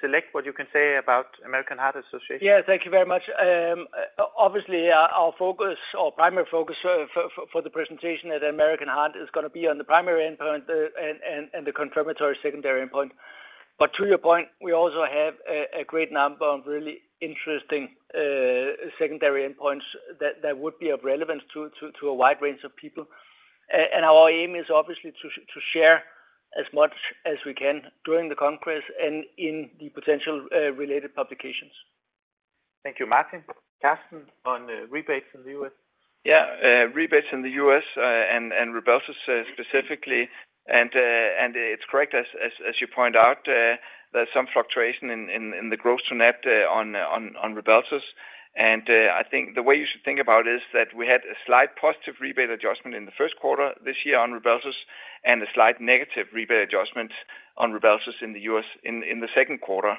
SELECT, what you can say about American Heart Association? Yeah, thank you very much. Obviously, our, our focus or primary focus for, for, for the presentation at American Heart is gonna be on the primary endpoint and, and, and the confirmatory secondary endpoint. To your point, we also have a, a great number of really interesting secondary endpoints that, that would be of relevance to, to, to a wide range of people. Our aim is obviously to share as much as we can during the congress and in the potential related publications. Thank you, Martin. Karsten, on rebates in the US. Yeah, rebates in the US, and, and Rybelsus specifically, and, and it's correct as, as, as you point out, there's some fluctuation in, in, in the gross to net on, on, on Rybelsus. I think the way you should think about it is that we had a slight positive rebate adjustment in the 1st quarter this year on Rybelsus, and a slight negative rebate adjustment on Rybelsus in the US in, in the 2nd quarter.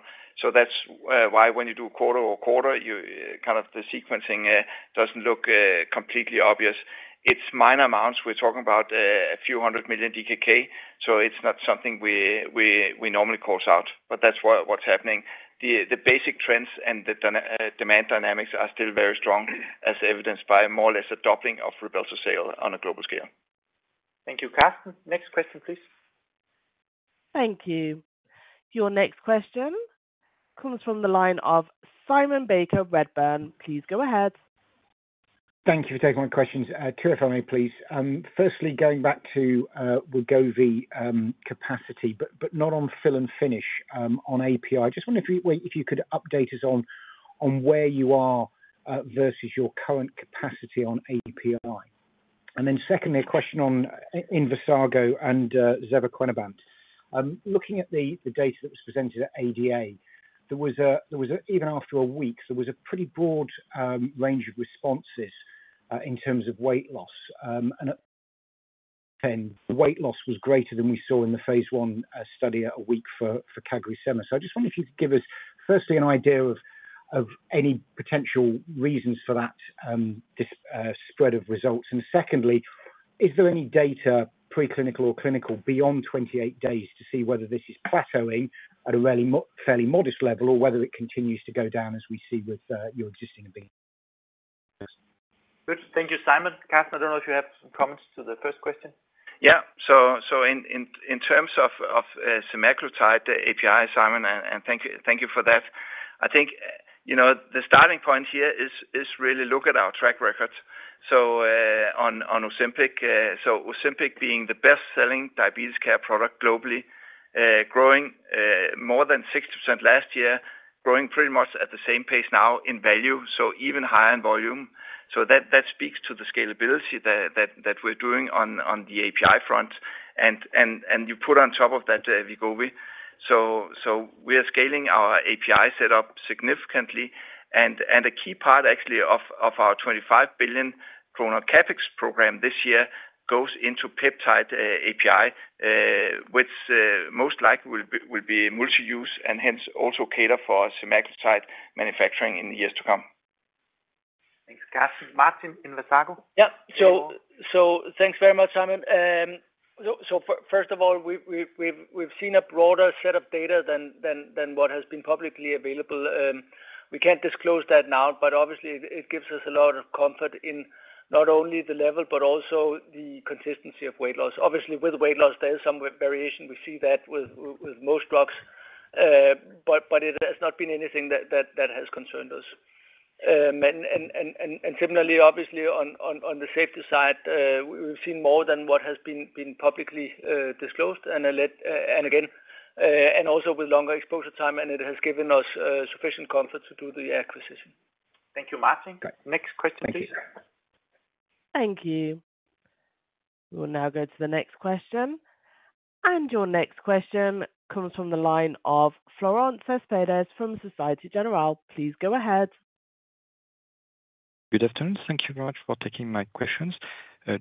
That's why when you do quarter-over-quarter, you kind of the sequencing doesn't look completely obvious. It's minor amounts. We're talking about a few hundred million DKK, so it's not something we, we, we normally call out, but that's what, what's happening. The basic trends and the demand dynamics are still very strong, as evidenced by more or less a doubling of Rybelsus sale on a global scale. Thank you, Karsten. Next question, please. Thank you. Your next question comes from the line of Simon Baker, Redburn. Please go ahead. Thank you for taking my questions. Two if I may, please. Firstly, going back to Wegovy capacity, but not on fill and finish, on API. I just wonder if you could update us on where you are versus your current capacity on API? Secondly, a question on Invokana and zevaquonabam. Looking at the data that was presented at ADA, there was a, there was a, even after a week, there was a pretty broad range of responses in terms of weight loss, and then the weight loss was greater than we saw in the phase 1 study a week for CagriSema. I just wonder if you could give us, firstly, an idea of any potential reasons for that, this spread of results. Secondly, is there any data, preclinical or clinical, beyond 28 days to see whether this is plateauing at a really fairly modest level, or whether it continues to go down as we see with, your existing? Good. Thank you, Simon. Karsten, I don't know if you have some comments to the first question. Yeah. In terms of semaglutide, the API, Simon, and thank you for that. I think, you know, the starting point here is really look at our track record. On Ozempic, so Ozempic being the best-selling diabetes care product globally, growing more than 60% last year, growing pretty much at the same pace now in value, so even higher in volume. That speaks to the scalability that we're doing on the API front, and you put on top of that Wegovy. We are scaling our API setup significantly, and a key part actually of our 25 billion kroner CapEx program this year goes into peptide API, which most likely will be multi-use and hence also cater for semaglutide manufacturing in the years to come. Thanks, Karsten. Martin in Inversago? Yeah, thanks very much, Simon. First of all, we've seen a broader set of data than what has been publicly available. We can't disclose that now, obviously it gives us a lot of comfort in not only the level but also the consistency of weight loss. Obviously, with weight loss, there is some variation. We see that with most drugs. It has not been anything that has concerned us. Similarly, obviously, on the safety side, we've seen more than what has been publicly disclosed, and also with longer exposure time, and it has given us sufficient comfort to do the acquisition. Thank you, Martin. Okay. Next question, please. Thank you. Thank you. We'll now go to the next question. Your next question comes from the line of Florent Cespedes from Société Générale. Please go ahead. Good afternoon. Thank you very much for taking my questions,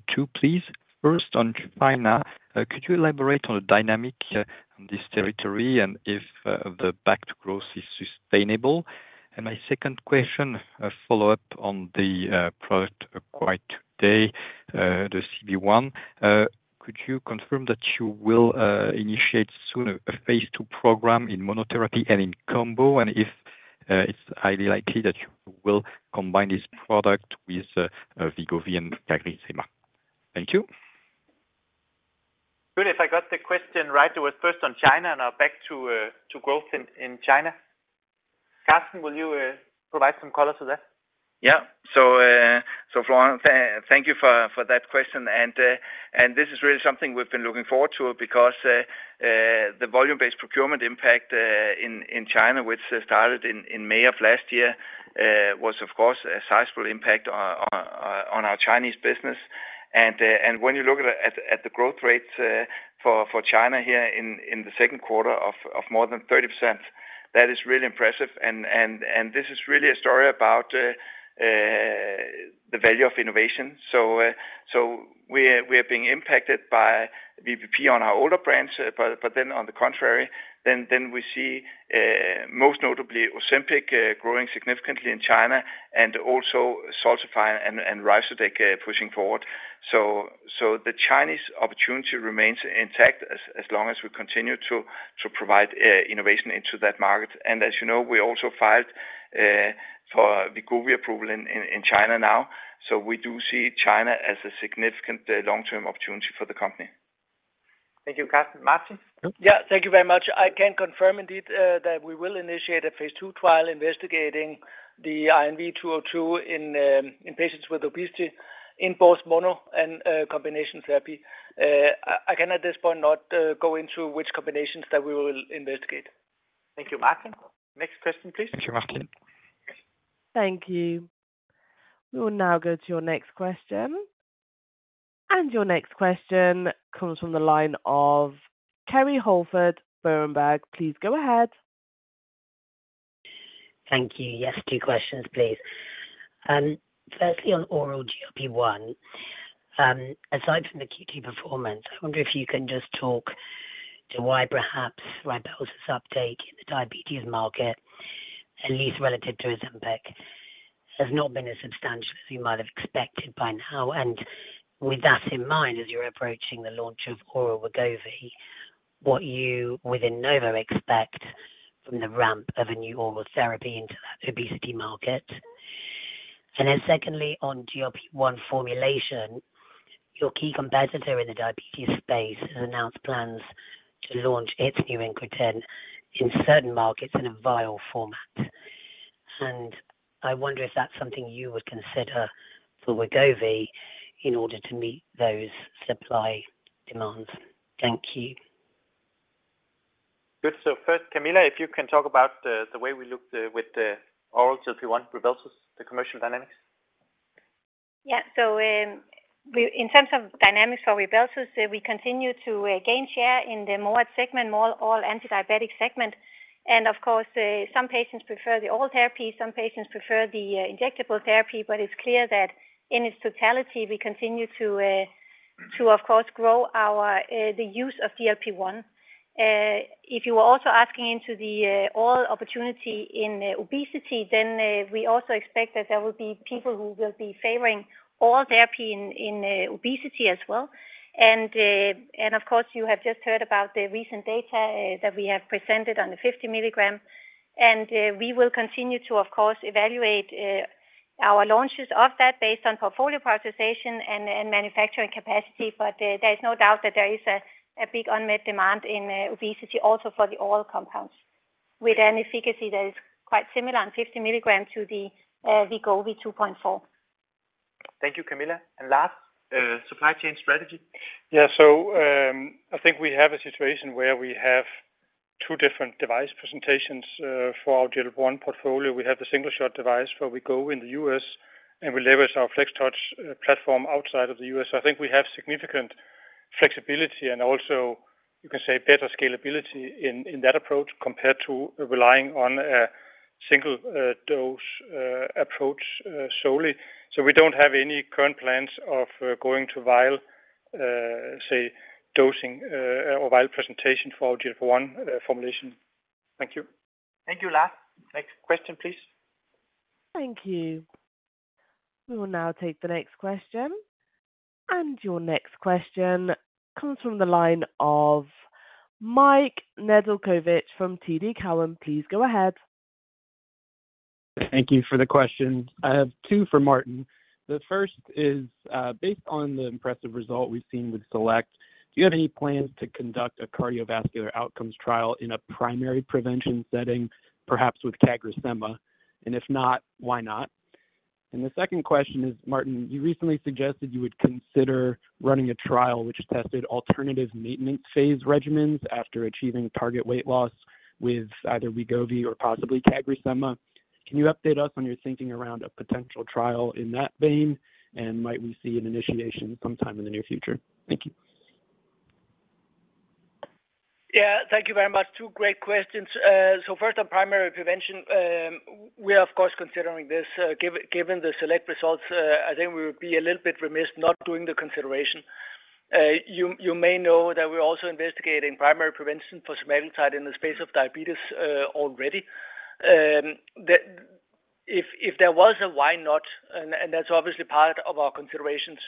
two, please. First, on China, could you elaborate on the dynamic on this territory and if the back growth is sustainable? My second question, a follow-up on the product acquired today, the CB1. Could you confirm that you will initiate soon a phase 2 program in monotherapy and in combo, and if it's highly likely that you will combine this product with Wegovy and CagriSema? Thank you. Good. If I got the question right, it was first on China and now back to, to growth in, in China. Karsten, will you provide some color to that? Yeah. Florent, thank you for that question. This is really something we've been looking forward to because the volume-based procurement impact in China, which started in May of last year, was of course a sizable impact on our Chinese business. When you look at the growth rates for China here in the second quarter of more than 30%, that is really impressive. This is really a story about the value of innovation. We're being impacted by VPP on our older brands. Then on the contrary, we see most notably Ozempic growing significantly in China and also Xultophy and Ryzodeg pushing forward. The Chinese opportunity remains intact as long as we continue to provide innovation into that market. As you know, we also filed for Wegovy approval in China now. We do see China as a significant long-term opportunity for the company. Thank you, Karsten. Martin? Yeah. Thank you very much. I can confirm indeed, that we will initiate a phase 2 trial investigating the INV-202 in patients with obesity in both mono and combination therapy. I can at this point not go into which combinations that we will investigate. Thank you, Martin. Next question, please. Thank you, Martin. Thank you. We will now go to your next question. Your next question comes from the line of Kerry Holford, Bloomberg. Please go ahead. Thank you. Yes, two questions, please. Firstly, on oral GLP-1, aside from the Q2 performance, I wonder if you can just talk to why perhaps Rybelsus uptake in the diabetes market, at least relative to Ozempic, has not been as substantial as you might have expected by now? With that in mind, as you're approaching the launch of oral Wegovy, what you within Novo expect from the ramp of a new oral therapy into that obesity market? Then secondly, on GLP-1 formulation, your key competitor in the diabetes space has announced plans to launch its new incretin in certain markets in a vial format. I wonder if that's something you would consider for Wegovy in order to meet those supply demands. Thank you. Good. First, Camilla, if you can talk about the way we look the, with the oral GLP-1, Rybelsus, the commercial dynamics. Yeah. We -- in terms of dynamics for Rybelsus, we continue to gain share in the more segment, more all anti-diabetic segment. Of course, some patients prefer the oral therapy, some patients prefer the injectable therapy, but it's clear that in its totality, we continue to to of course grow our the use of GLP-1. If you are also asking into the oral opportunity in obesity, then we also expect that there will be people who will be favoring oral therapy in obesity as well. Of course, you have just heard about the recent data that we have presented on the 50 milligram, and we will continue to, of course, evaluate our launches of that based on portfolio prioritization and manufacturing capacity. There is no doubt that there is a big unmet demand in obesity also for the oral compounds, with an efficacy that is quite similar in 50 milligrams to the Wegovy 2.4. Thank you, Camilla. Lars, supply chain strategy? Yeah. I think we have a situation where we have two different device presentations for our GLP-1 portfolio. We have the single-shot device for Wegovy in the US, and we leverage our FlexTouch platform outside of the US. I think we have significant flexibility and also you can say, better scalability in that approach compared to relying on a single dose approach solely. We don't have any current plans of going to vial, say, dosing, or vial presentation for our GLP-1 formulation. Thank you. Thank you, Lars. Next question, please. Thank you. We will now take the next question. Your next question comes from the line of Mike Nedelcovych from TD Cowen. Please go ahead. Thank you for the question. I have two for Martin. The first is, based on the impressive result we've seen with SELECT, do you have any plans to conduct a cardiovascular outcomes trial in a primary prevention setting, perhaps with CagriSema? If not, why not? The second question is, Martin, you recently suggested you would consider running a trial which tested alternative maintenance phase regimens after achieving target weight loss with either Wegovy or possibly CagriSema. Can you update us on your thinking around a potential trial in that vein? Might we see an initiation sometime in the near future? Thank you. Yeah, thank you very much. Two great questions. First, on primary prevention, we are, of course, considering this. given the SELECT results, I think we would be a little bit remiss not doing the consideration. You, you may know that we're also investigating primary prevention for semaglutide in the space of diabetes, already. if, if there was a why not, and, and that's obviously part of our considerations,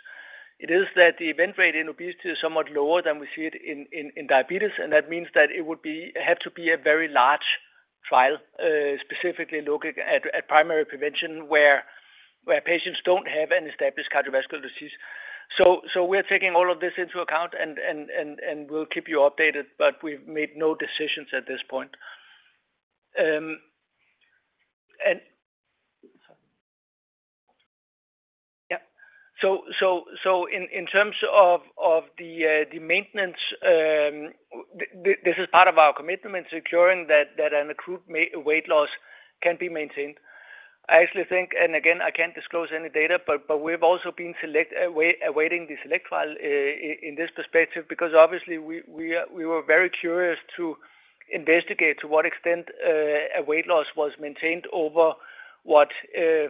it is that the event rate in obesity is somewhat lower than we see it in, in, in diabetes, and that means that it would have to be a very large trial, specifically looking at, at primary prevention, where, where patients don't have an established cardiovascular disease. We're taking all of this into account, and, and, and, and we'll keep you updated, but we've made no decisions at this point. And yeah. In, in terms of, of the, the maintenance, this is part of our commitment in securing that, that an accrued weight loss can be maintained. I actually think, and again, I can't disclose any data, but, but we've also been awaiting the SELECT trial, in this perspective, because obviously, we were very curious to investigate to what extent, a weight loss was maintained over what,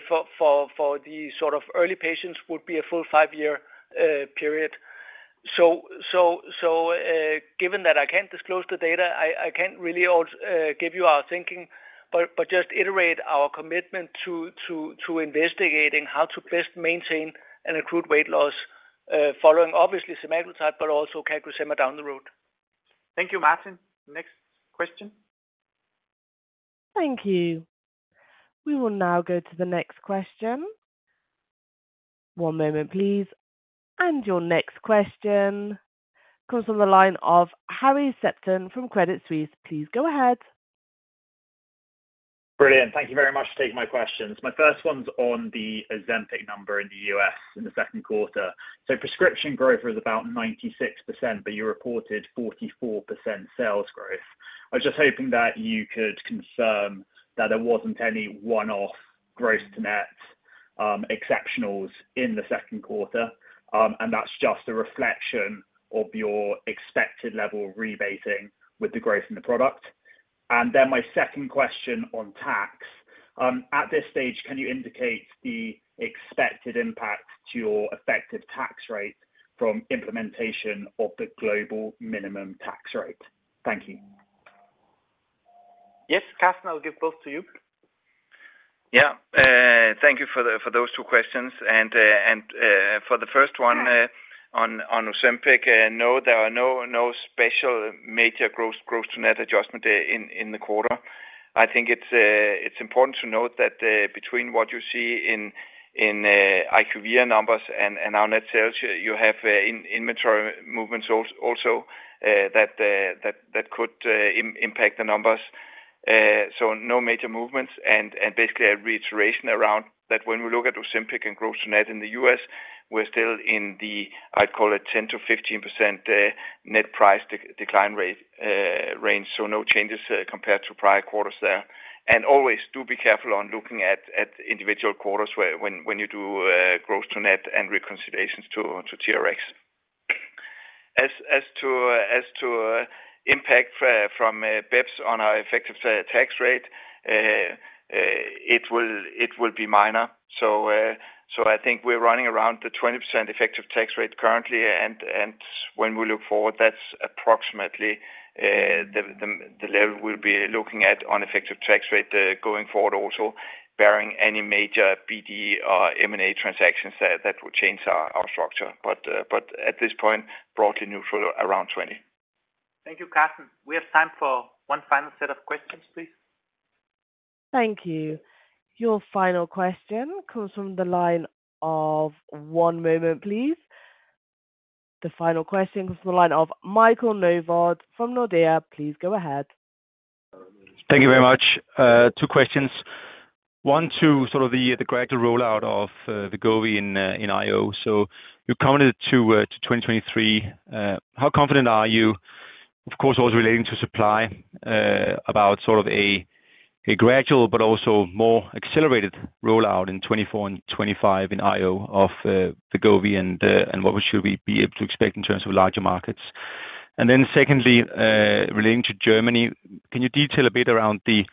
for, for, for the sort of early patients would be a full five-year period. Given that I can't disclose the data, I can't really also give you our thinking, but just iterate our commitment to investigating how to best maintain an accrued weight loss, following obviously semaglutide, but also CagriSema down the road. Thank you, Martin. Next question. Thank you. We will now go to the next question. One moment, please. Your next question comes from the line of Harry Sephton from Credit Suisse. Please go ahead. Brilliant. Thank you very much for taking my questions. My first one's on the Ozempic number in the US in the second quarter. Prescription growth was about 96%, but you reported 44% sales growth. I was just hoping that you could confirm that there wasn't any one-off gross to net exceptionals in the second quarter, and that's just a reflection of your expected level of rebating with the growth in the product. My second question on tax. At this stage, can you indicate the expected impact to your effective tax rate from implementation of the global minimum tax rate? Thank you. Yes, Karsten, I'll give both to you. Yeah. Thank you for those two questions. For the first one, on Ozempic, no, there are no special major gross-to-net adjustment in the quarter. I think it's important to note that between what you see in IQVIA numbers and our net sales, you have inventory movements also that could impact the numbers. So no major movements, and basically a reiteration around that when we look at Ozempic and gross-to-net in the US, we're still in the, I'd call it 10%-15% net price decline rate range, so no changes compared to prior quarters there. Always do be careful on looking at individual quarters when you do gross to net and reconciliations to TRX. As to impact from BEPS on our effective tax rate, it will be minor. I think we're running around the 20% effective tax rate currently, and when we look forward, that's approximately the level we'll be looking at on effective tax rate going forward, also, barring any major BD or M&A transactions that would change our structure. At this point, broadly neutral around 20. Thank you, Karsten. We have time for one final set of questions, please. Thank you. Your final question comes from the line of... One moment, please. The final question comes from the line of Michael Novod from Nordea. Please go ahead. Thank you very much. Two questions. One, to sort of the, the gradual rollout of the Wegovy in IO. You commented to 2023. How confident are you, of course, also relating to supply, about sort of a, a gradual but also more accelerated rollout in 2024 and 2025 in IO of the Wegovy, and what should we be able to expect in terms of larger markets? Secondly, relating to Germany, can you detail a bit around the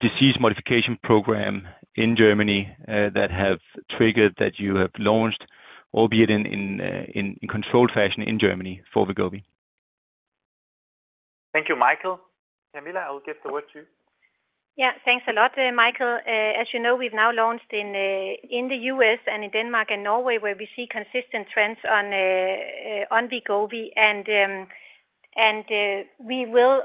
disease modification program in Germany, that have triggered, that you have launched albeit in, in, in, in controlled fashion in Germany for Wegovy. Thank you, Michael. Camilla, I will give the word to you. Yeah, thanks a lot, Michael. As you know, we've now launched in the US and in Denmark and Norway, where we see consistent trends on Wegovy. We will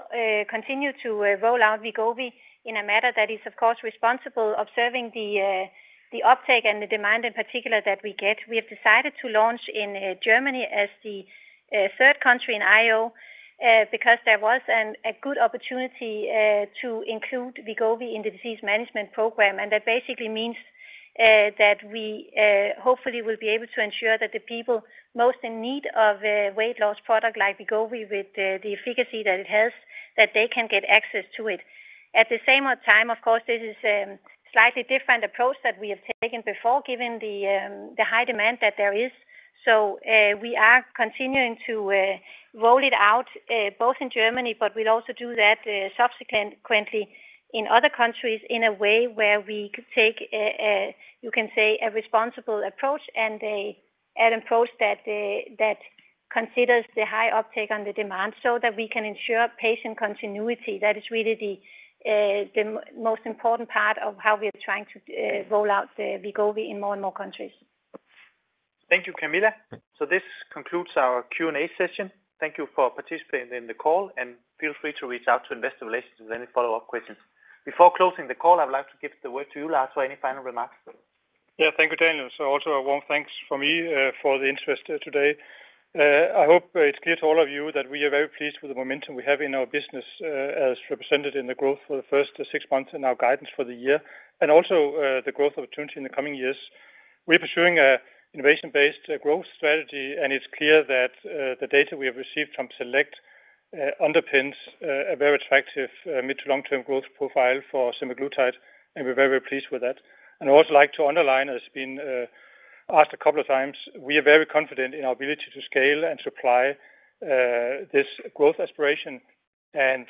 continue to roll out Wegovy in a matter that is, of course, responsible, observing the uptake and the demand in particular that we get. We have decided to launch in Germany as the third country in IO because there was a good opportunity to include Wegovy in the disease management program, and that basically means that we hopefully will be able to ensure that the people most in need of a weight loss product like Wegovy, with the, the efficacy that it has, that they can get access to it. At the same time, of course, this is, slightly different approach that we have taken before, given the, the high demand that there is. We are continuing to, roll it out, both in Germany, but we'll also do that, subsequently in other countries in a way where we take, you can say, a responsible approach and a, an approach that, that considers the high uptake on the demand so that we can ensure patient continuity. That is really the, the m- most important part of how we are trying to, roll out the Wegovy in more and more countries. Thank you, Camilla. This concludes our Q&A session. Thank you for participating in the call, and feel free to reach out to Investor Relations with any follow-up questions. Before closing the call, I would like to give the word to you, Lars, for any final remarks. Yeah, thank you, Daniel. Also a warm thanks from me for the interest today. I hope it's clear to all of you that we are very pleased with the momentum we have in our business, as represented in the growth for the first 6 months and our guidance for the year, and also the growth opportunity in the coming years. We're pursuing an innovation-based growth strategy, and it's clear that the data we have received from SELECT underpins a very attractive mid- to long-term growth profile for semaglutide, and we're very pleased with that. I'd also like to underline, it's been asked a couple of times, we are very confident in our ability to scale and supply this growth aspiration, and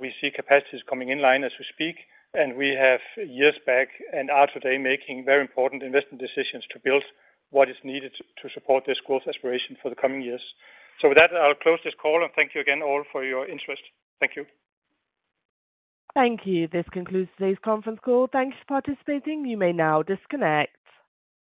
we see capacities coming in line as we speak, and we have years back and are today making very important investment decisions to build what is needed to support this growth aspiration for the coming years. With that, I'll close this call and thank you again all for your interest. Thank you. Thank you. This concludes today's conference call. Thank you for participating. You may now disconnect.